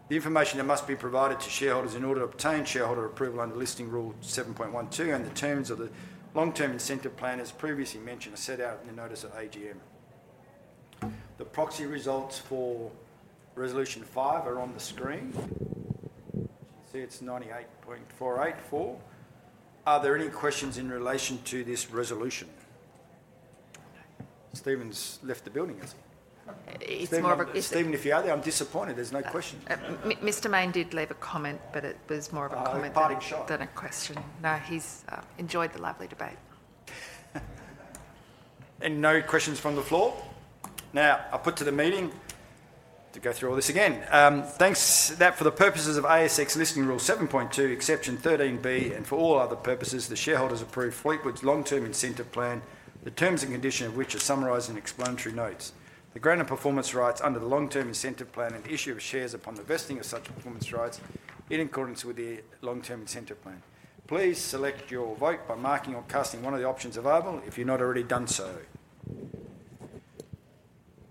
The information that must be provided to shareholders in order to obtain shareholder approval under Listing Rule 7.2 and the terms of the Long Term Incentive Plan as previously mentioned are set out in the Notice of AGM. The proxy results for Resolution 5 are on the screen. See, it's 98.484%. Are there any questions in relation to this resolution? Stephen's left the building. Stephen, if you are there, I'm disappointed. There's no question Mr. Mayne did leave a comment, but it was more of a comment than a question. No, he's enjoyed the lively debate. No questions from the floor. Now I'll put to the meeting to go through all this again. Thanks. That for the purposes of ASX Listing Rule 7.2 exception 13(b) and for all other purposes, the shareholders approved Fleetwood's Long Term Incentive Plan, the terms and conditions of which are summarized in explanatory notes. The grant of performance rights under the Long Term Incentive Plan and issue of shares upon the vesting of such performance rights in accordance with the Long Term Incentive Plan. Please select your vote by marking or casting one of the options available if you've not already done so.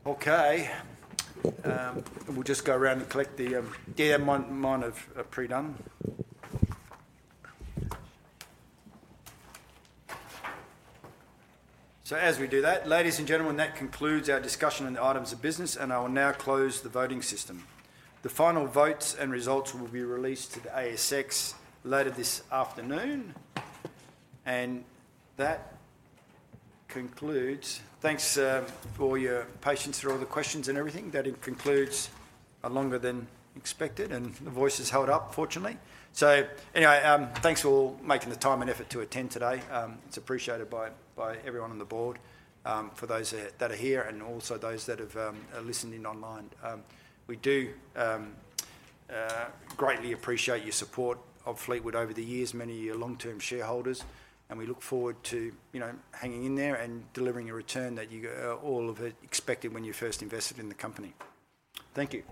Okay, we'll just go around and collect the mics are pre-done. So as we do that, ladies and gentlemen, that concludes our discussion on the items of business and I will now close the voting system. The final votes and results will be released to the ASX later this afternoon, and that concludes. Thanks for your patience through all the questions and everything. That concludes longer than expected, and the voice has held up, fortunately. So anyway, thanks for making the time and effort to attend today. It's appreciated by everyone on the board. For those that are here and also those that have listened in online, we do greatly appreciate your support of Fleetwood over the years. Many of you long-term shareholders, and we look forward to you know hanging in there and delivering a return that you all have expected when you first invested in the company. Thank you.